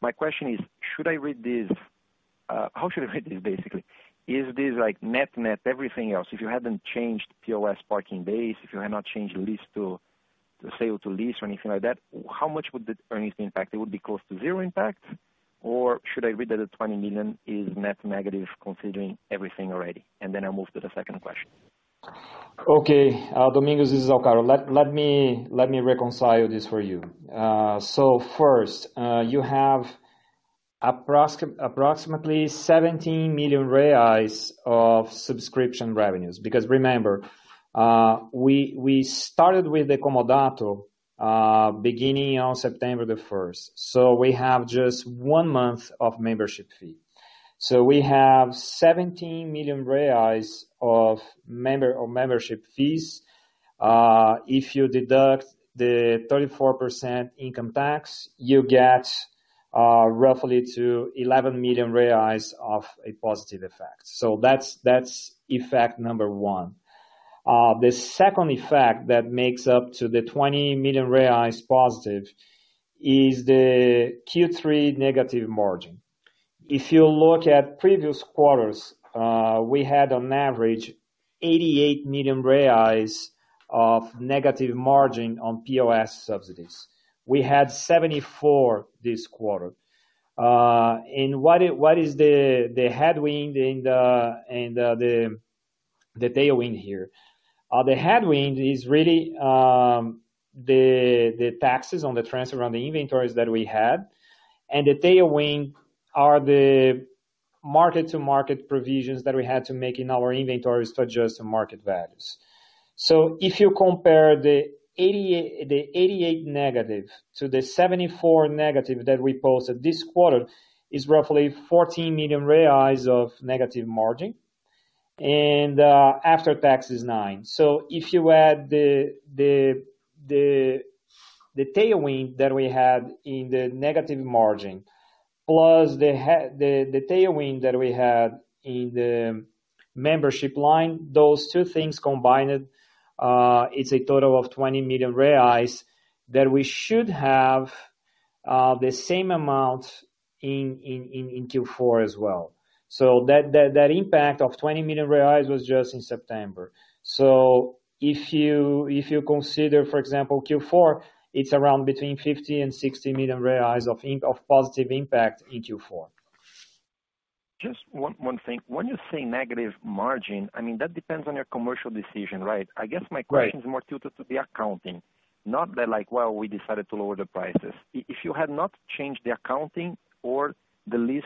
[SPEAKER 10] My question is, how should I read this, basically? Is this like net everything else? If you hadn't changed POS parking base, if you had not changed the sale to lease or anything like that, how much would the earnings impact? It would be close to zero impact? Should I read that the 20 million is net negative considering everything already? Then I move to the second question.
[SPEAKER 3] Okay. Domingos, this is Alcaro. Let me reconcile this for you. First, you have approximately 17 million reais of subscription revenues, because remember we started with the Comodato beginning on September 1st. We have just one month of membership fee. We have 17 million reais of membership fees. If you deduct the 34% income tax, you get roughly to 11 million reais of a positive effect. That's effect number 1. The second effect that makes up to the 20 million reais positive is the Q3 negative margin. If you look at previous quarters, we had on average 88 million reais of negative margin on POS subsidies. We had 74 this quarter. What is the headwind and the tailwind here? The headwind is really the taxes on the transfer on the inventories that we had, the tailwind are the market-to-market provisions that we had to make in our inventories to adjust the market values. If you compare the 88 negative to the 74 negative that we posted this quarter, is roughly 14 million reais of negative margin. After tax is 9. If you add the tailwind that we had in the negative margin, plus the tailwind that we had in the membership line, those two things combined it's a total of 20 million that we should have the same amount in Q4 as well. That impact of 20 million reais was just in September. If you consider, for example, Q4, it's around between 50 million and 60 million of positive impact in Q4.
[SPEAKER 10] Just one thing. When you say negative margin, that depends on your commercial decision, right?
[SPEAKER 3] Right.
[SPEAKER 10] I guess my question is more tilted to the accounting, not that like, well, we decided to lower the prices. If you had not changed the accounting or the lease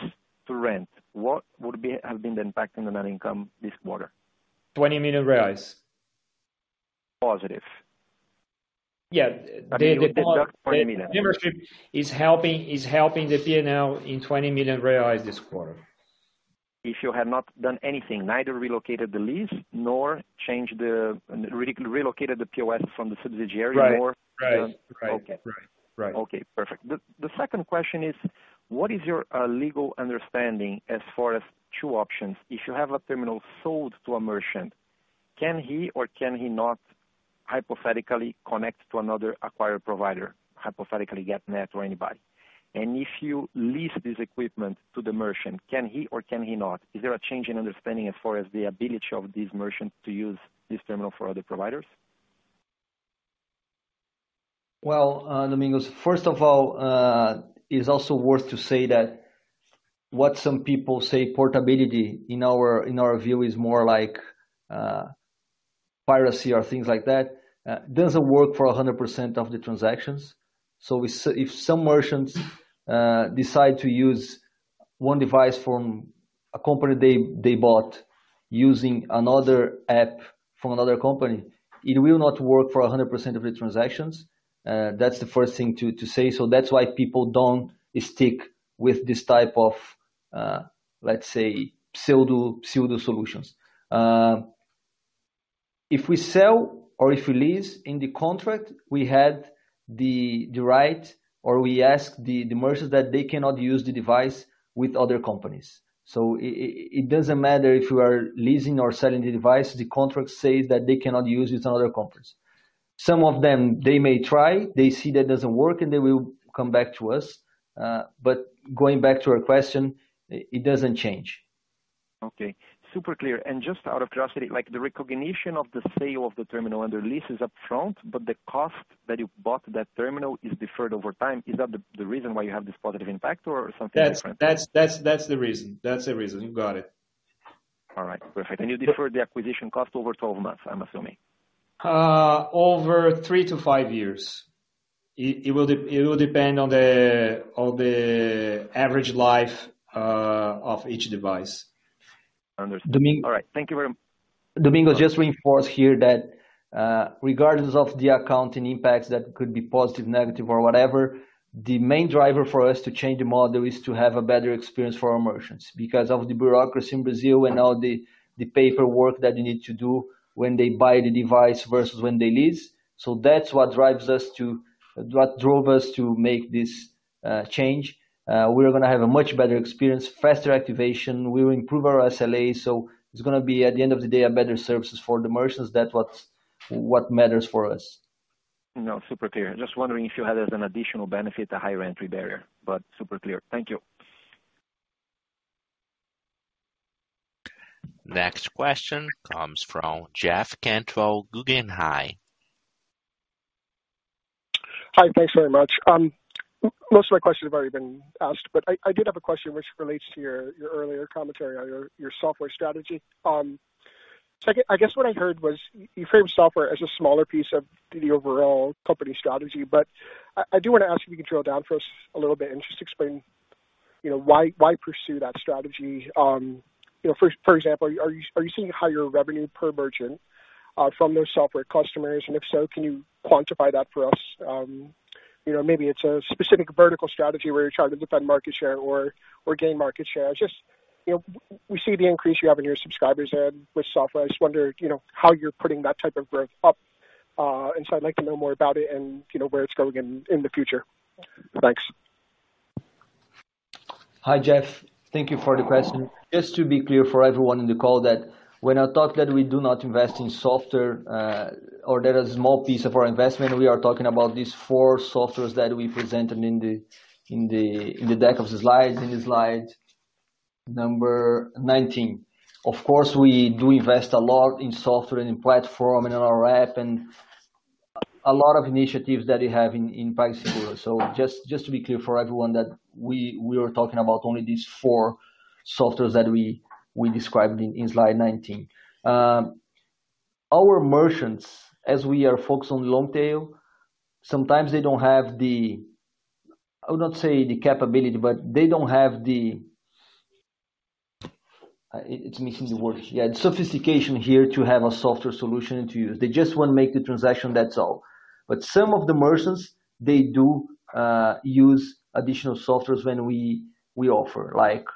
[SPEAKER 10] to rent, what would have been the impact on the net income this quarter?
[SPEAKER 3] 20 million.
[SPEAKER 10] Positive?
[SPEAKER 3] Yeah. I mean, without BRL 20 million. The membership is helping the P&L in 20 million reais this quarter.
[SPEAKER 10] If you had not done anything, neither relocated the lease nor relocated the POS from the subsidiary nor-.
[SPEAKER 3] Right.
[SPEAKER 10] Okay.
[SPEAKER 11] Right.
[SPEAKER 10] Okay. Perfect. The second question is, what is your legal understanding as far as two options? If you have a terminal sold to a merchant, can he or can he not hypothetically connect to another acquired provider, hypothetically Getnet or anybody? If you lease this equipment to the merchant, can he or can he not? Is there a change in understanding as far as the ability of these merchants to use this terminal for other providers?
[SPEAKER 2] Well, Domingos, first of all, it's also worth to say that what some people say portability, in our view is more like piracy or things like that. It doesn't work for 100% of the transactions. If some merchants decide to use one device from a company they bought using another app from another company, it will not work for 100% of the transactions. That's the first thing to say. That's why people don't stick with this type of, let's say, pseudo solutions. If we sell or if we lease in the contract, we had the right or we ask the merchants that they cannot use the device with other companies. It doesn't matter if you are leasing or selling the device, the contract says that they cannot use with other companies. Some of them, they may try. They see that doesn't work, and they will come back to us. Going back to our question, it doesn't change.
[SPEAKER 10] Okay. Super clear. Just out of curiosity, the recognition of the sale of the terminal under lease is upfront, but the cost that you bought that terminal is deferred over time. Is that the reason why you have this positive impact or something different?
[SPEAKER 2] That's the reason. You got it.
[SPEAKER 10] All right. Perfect. You deferred the acquisition cost over 12 months, I'm assuming?
[SPEAKER 2] Over 3 years-5 years. It will depend on the average life of each device.
[SPEAKER 10] Understood. All right. Thank you very much.
[SPEAKER 2] Domingos, just reinforce here that, regardless of the accounting impacts that could be positive, negative, or whatever, the main driver for us to change the model is to have a better experience for our merchants because of the bureaucracy in Brazil and all the paperwork that you need to do when they buy the device versus when they lease. That's what drove us to make this change. We're going to have a much better experience, faster activation. We will improve our SLA. It's going to be, at the end of the day, a better services for the merchants. That what matters for us.
[SPEAKER 10] No, super clear. Just wondering if you had an additional benefit, a higher entry barrier. Super clear. Thank you.
[SPEAKER 1] Next question comes from Jeff Cantwell, Guggenheim.
[SPEAKER 12] Hi. Thanks very much. Most of my questions have already been asked, but I did have a question which relates to your earlier commentary on your software strategy. I guess what I heard was you framed software as a smaller piece of the overall company strategy, but I do want to ask if you can drill down for us a little bit and just explain why pursue that strategy. For example, are you seeing higher revenue per merchant from those software customers? If so, can you quantify that for us? Maybe it's a specific vertical strategy where you're trying to defend market share or gain market share. We see the increase you have in your subscribers with software. I just wonder how you're putting that type of growth up. I'd like to know more about it and where it's going in the future. Thanks.
[SPEAKER 2] Hi, Jeff. Thank you for the question. Just to be clear for everyone in the call that when I talk that we do not invest in software, or that is a small piece of our investment, we are talking about these four softwares that we presented in the deck of the slides, in slide number 19. Of course, we do invest a lot in software and in platform and in our app and a lot of initiatives that we have in PagSeguro. Just to be clear for everyone that we were talking about only these four softwares that we described in slide 19. Our merchants, as we are focused on long tail, sometimes they don't have I would not say the capability, but they don't have It's missing the word here. Yeah, sophistication here to have a software solution to use. They just want to make the transaction, that's all. Some of the merchants, they do use additional software when we offer, like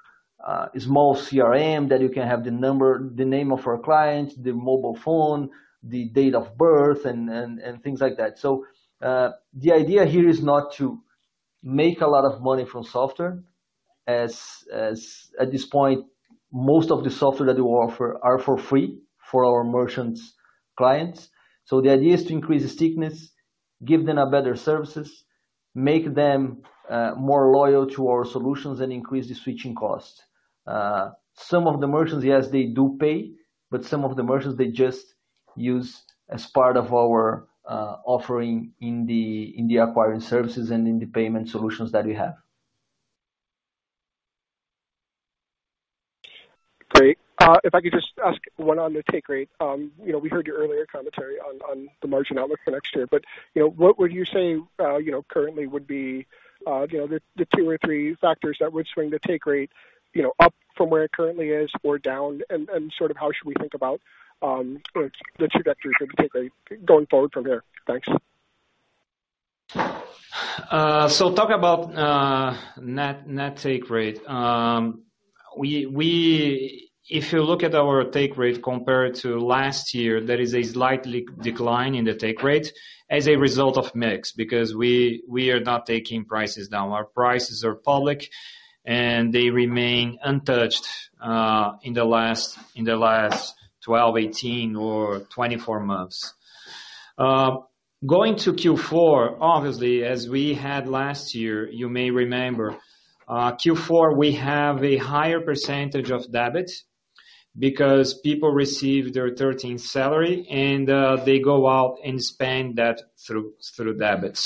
[SPEAKER 2] small CRM that you can have the name of our client, the mobile phone, the date of birth, and things like that. The idea here is not to make a lot of money from software, as at this point, most of the software that we offer are for free for our merchants clients. The idea is to increase the stickiness, give them a better services, make them more loyal to our solutions, and increase the switching cost. Some of the merchants, yes, they do pay, but some of the merchants, they just
[SPEAKER 3] Use as part of our offering in the acquiring services and in the payment solutions that we have.
[SPEAKER 12] Great. If I could just ask one on the take rate. We heard your earlier commentary on the margin outlook for next year, but what would you say currently would be the two or three factors that would swing the take rate up from where it currently is or down, and how should we think about the trajectory of the take rate going forward from there? Thanks.
[SPEAKER 3] Talk about net take rate. If you look at our take rate compared to last year, there is a slight decline in the take rate as a result of mix, because we are not taking prices down. Our prices are public, and they remain untouched in the last 12, 18, or 24 months. Going to Q4, obviously, as we had last year, you may remember, Q4, we have a higher percentage of debit because people receive their 13th salary and they go out and spend that through debit.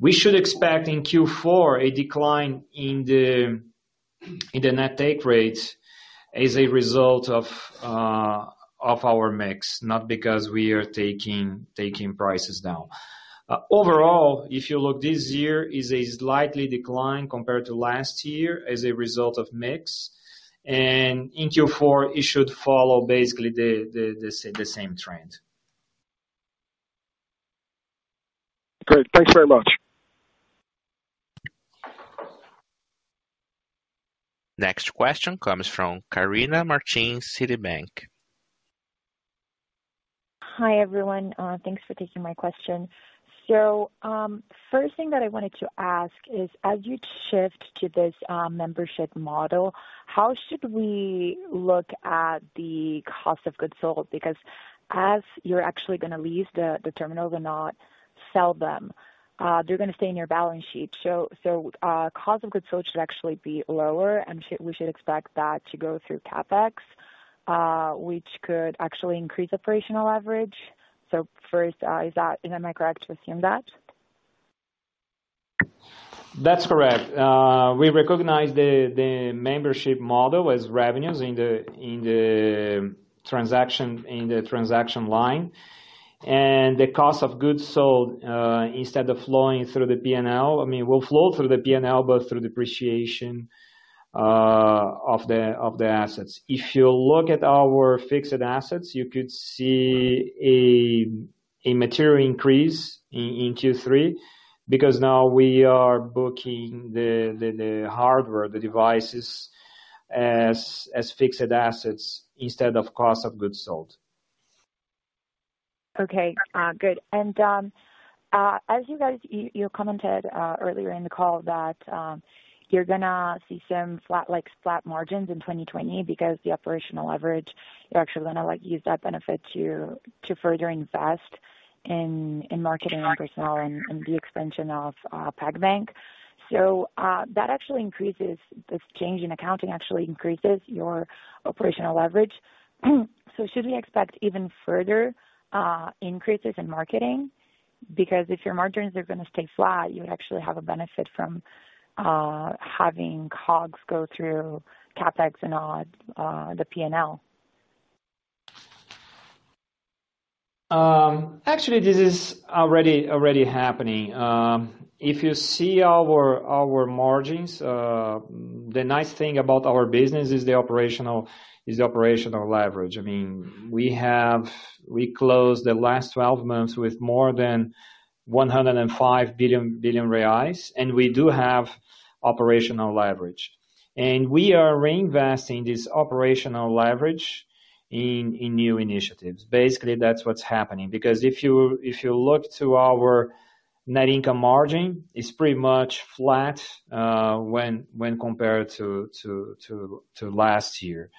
[SPEAKER 3] We should expect in Q4 a decline in the net take rate as a result of our mix, not because we are taking prices down. Overall, if you look this year is a slight decline compared to last year as a result of mix, and in Q4, it should follow basically the same trend.
[SPEAKER 12] Great. Thanks very much.
[SPEAKER 1] Next question comes from Karina Martins, Citi.
[SPEAKER 13] Hi, everyone. Thanks for taking my question. First thing that I wanted to ask is, as you shift to this membership model, how should we look at the COGS? As you're actually going to lease the terminal but not sell them, they're going to stay in your balance sheet. COGS should actually be lower, and we should expect that to go through CapEx, which could actually increase operational leverage. First, am I correct to assume that?
[SPEAKER 3] That's correct. We recognize the membership model as revenues in the transaction line. The cost of goods sold, instead of flowing through the P&L-- I mean, will flow through the P&L, but through depreciation of the assets. If you look at our fixed assets, you could see a material increase in Q3 because now we are booking the hardware, the devices as fixed assets instead of cost of goods sold.
[SPEAKER 13] Okay. Good. As you commented earlier in the call that you're going to see some flat margins in 2020 because the operational leverage, you're actually going to use that benefit to further invest in marketing and personnel and the expansion of PagBank. That actually increases, this change in accounting actually increases your operational leverage. Should we expect even further increases in marketing? Because if your margins are going to stay flat, you would actually have a benefit from having COGS go through CapEx and not the P&L.
[SPEAKER 3] Actually, this is already happening. If you see our margins, the nice thing about our business is the operational leverage. I mean, we closed the last 12 months with more than 105 billion, and we do have operational leverage. We are reinvesting this operational leverage in new initiatives. Basically, that's what's happening. If you look to our net income margin, it's pretty much flat when compared to last year.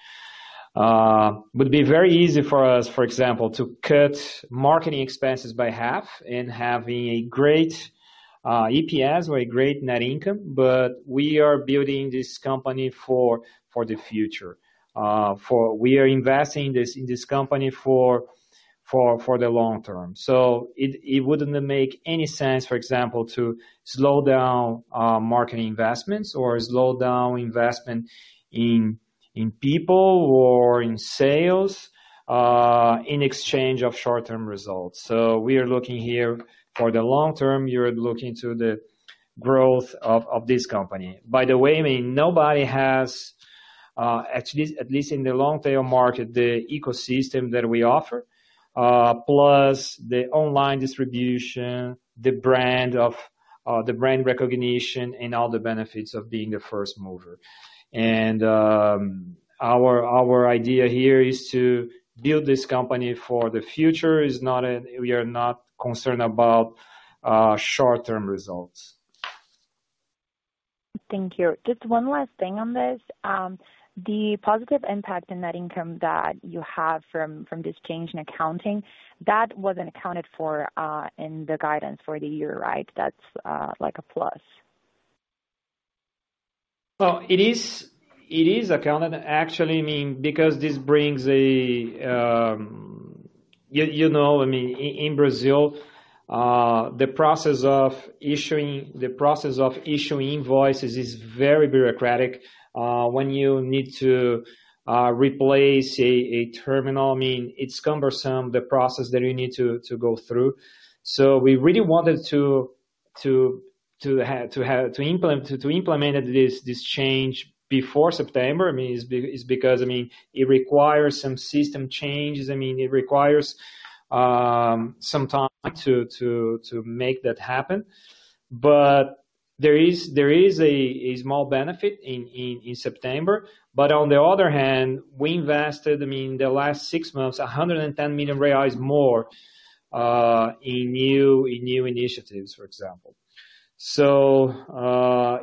[SPEAKER 3] Would be very easy for us, for example, to cut marketing expenses by half and having a great EPS or a great net income, but we are building this company for the future. We are investing in this company for the long term. It wouldn't make any sense, for example, to slow down marketing investments or slow down investment in people or in sales, in exchange of short-term results. We are looking here for the long term. We are looking to the growth of this company. By the way, nobody has, at least in the long-tail market, the ecosystem that we offer, plus the online distribution, the brand recognition, and all the benefits of being the first mover. Our idea here is to build this company for the future. We are not concerned about short-term results.
[SPEAKER 13] Thank you. Just one last thing on this. The positive impact in net income that you have from this change in accounting, that wasn't accounted for in the guidance for the year, right? That's like a plus.
[SPEAKER 3] It is accounted, actually, because this brings in Brazil the process of issuing invoices is very bureaucratic. When you need to replace a terminal, it's cumbersome, the process that you need to go through. We really wanted to implement this change before September is because it requires some system changes. It requires some time to make that happen. There is a small benefit in September. On the other hand, we invested, in the last six months, 110 million reais more in new initiatives, for example.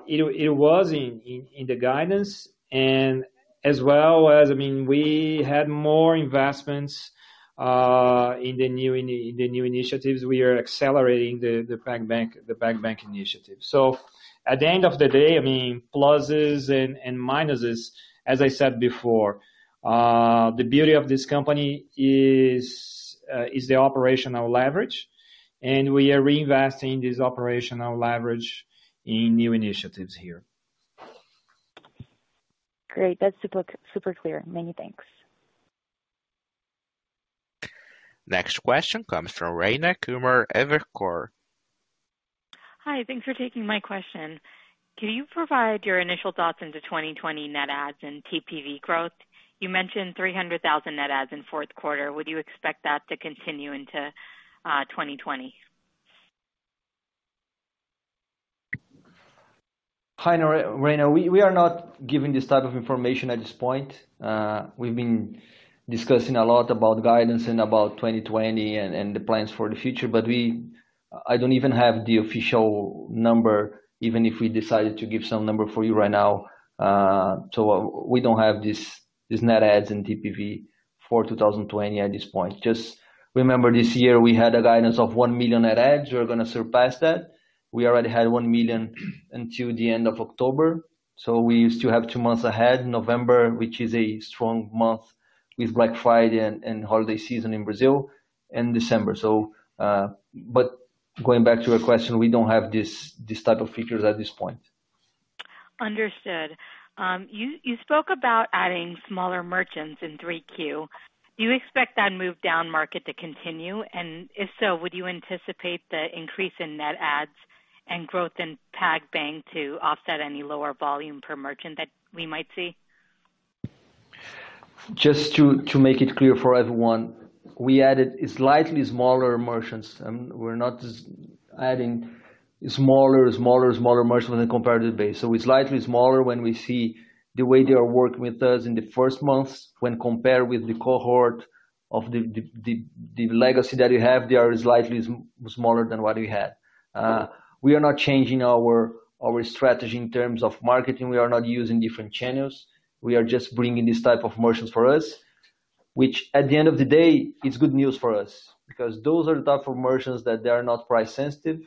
[SPEAKER 3] It was in the guidance and we had more investments in the new initiatives. We are accelerating the PagBank initiative. At the end of the day, pluses and minuses, as I said before, the beauty of this company is the operational leverage, and we are reinvesting this operational leverage in new initiatives here.
[SPEAKER 13] Great. That's super clear. Many thanks.
[SPEAKER 1] Next question comes from Rayna Kumar, Evercore.
[SPEAKER 14] Hi, thanks for taking my question. Can you provide your initial thoughts into 2020 net adds and TPV growth? You mentioned 300,000 net adds in fourth quarter. Would you expect that to continue into 2020?
[SPEAKER 2] Hi, Rayna. We are not giving this type of information at this point. We've been discussing a lot about guidance and about 2020 and the plans for the future, but I don't even have the official number, even if we decided to give some number for you right now. We don't have these net adds in TPV for 2020 at this point. Just remember, this year, we had a guidance of 1 million net adds. We're going to surpass that. We already had 1 million until the end of October. We still have two months ahead, November, which is a strong month with Black Friday and holiday season in Brazil, and December. Going back to your question, we don't have these type of figures at this point.
[SPEAKER 14] Understood. You spoke about adding smaller merchants in 3Q. Do you expect that move down market to continue? If so, would you anticipate the increase in net adds and growth in PagBank to offset any lower volume per merchant that we might see?
[SPEAKER 2] Just to make it clear for everyone, we added slightly smaller merchants. We're not just adding smaller merchants than comparative base. We're slightly smaller when we see the way they are working with us in the first months when compared with the cohort of the legacy that we have. They are slightly smaller than what we had. We are not changing our strategy in terms of marketing. We are not using different channels. We are just bringing these type of merchants for us, which at the end of the day, it's good news for us because those are the type of merchants that they are not price sensitive.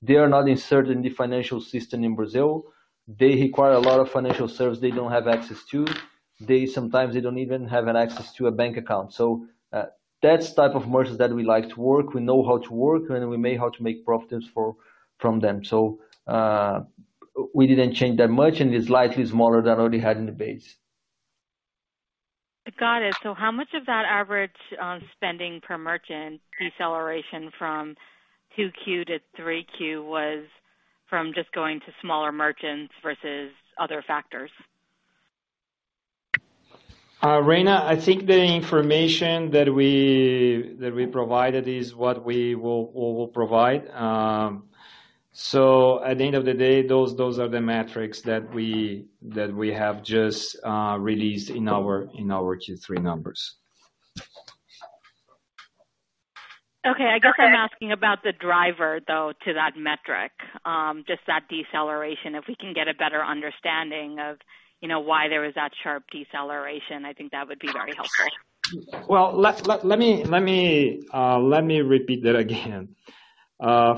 [SPEAKER 2] They are not inserted in the financial system in Brazil. They require a lot of financial service they don't have access to. Sometimes they don't even have an access to a bank account.
[SPEAKER 3] That's type of merchants that we like to work, we know how to work, and we know how to make profits from them. We didn't change that much, and it's slightly smaller than what we had in the base.
[SPEAKER 14] Got it. How much of that average spending per merchant deceleration from two Q to three Q was from just going to smaller merchants versus other factors?
[SPEAKER 2] Rayna, I think the information that we provided is what we will provide. At the end of the day, those are the metrics that we have just released in our Q3 numbers.
[SPEAKER 14] Okay. I guess I'm asking about the driver, though, to that metric, just that deceleration. If we can get a better understanding of why there was that sharp deceleration, I think that would be very helpful.
[SPEAKER 2] Well, let me repeat that again.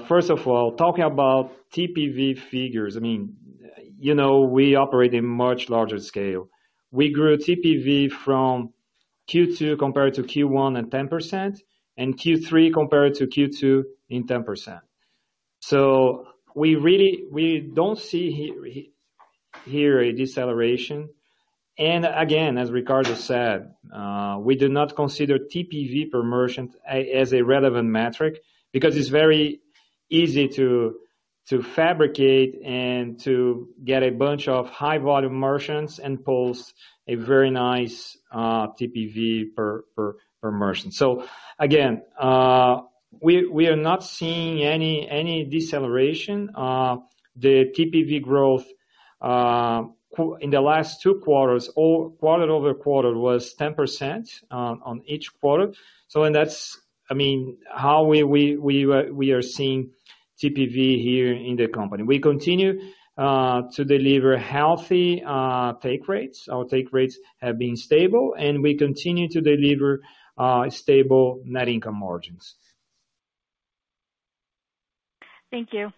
[SPEAKER 2] First of all, talking about TPV figures, we operate in much larger scale. We grew TPV from Q2 compared to Q1 in 10%, and Q3 compared to Q2 in 10%. We don't see here a deceleration. Again, as Ricardo said, we do not consider TPV per merchant as a relevant metric because it's very easy to fabricate and to get a bunch of high volume merchants and post a very nice TPV per merchant. Again, we are not seeing any deceleration. The TPV growth in the last two quarters, quarter-over-quarter, was 10% on each quarter. That's how we are seeing TPV here in the company. We continue to deliver healthy take rates. Our take rates have been stable, and we continue to deliver stable net income margins.
[SPEAKER 14] Thank you.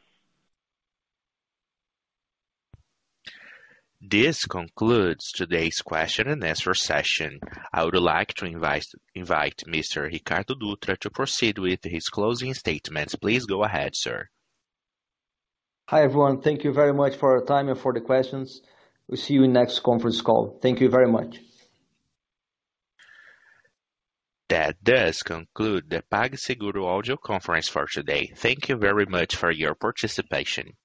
[SPEAKER 1] This concludes today's question and answer session. I would like to invite Mr. Ricardo Dutra to proceed with his closing statements. Please go ahead, sir.
[SPEAKER 2] Hi, everyone. Thank you very much for your time and for the questions. We'll see you next conference call. Thank you very much.
[SPEAKER 1] That does conclude the PagSeguro audio conference for today. Thank you very much for your participation.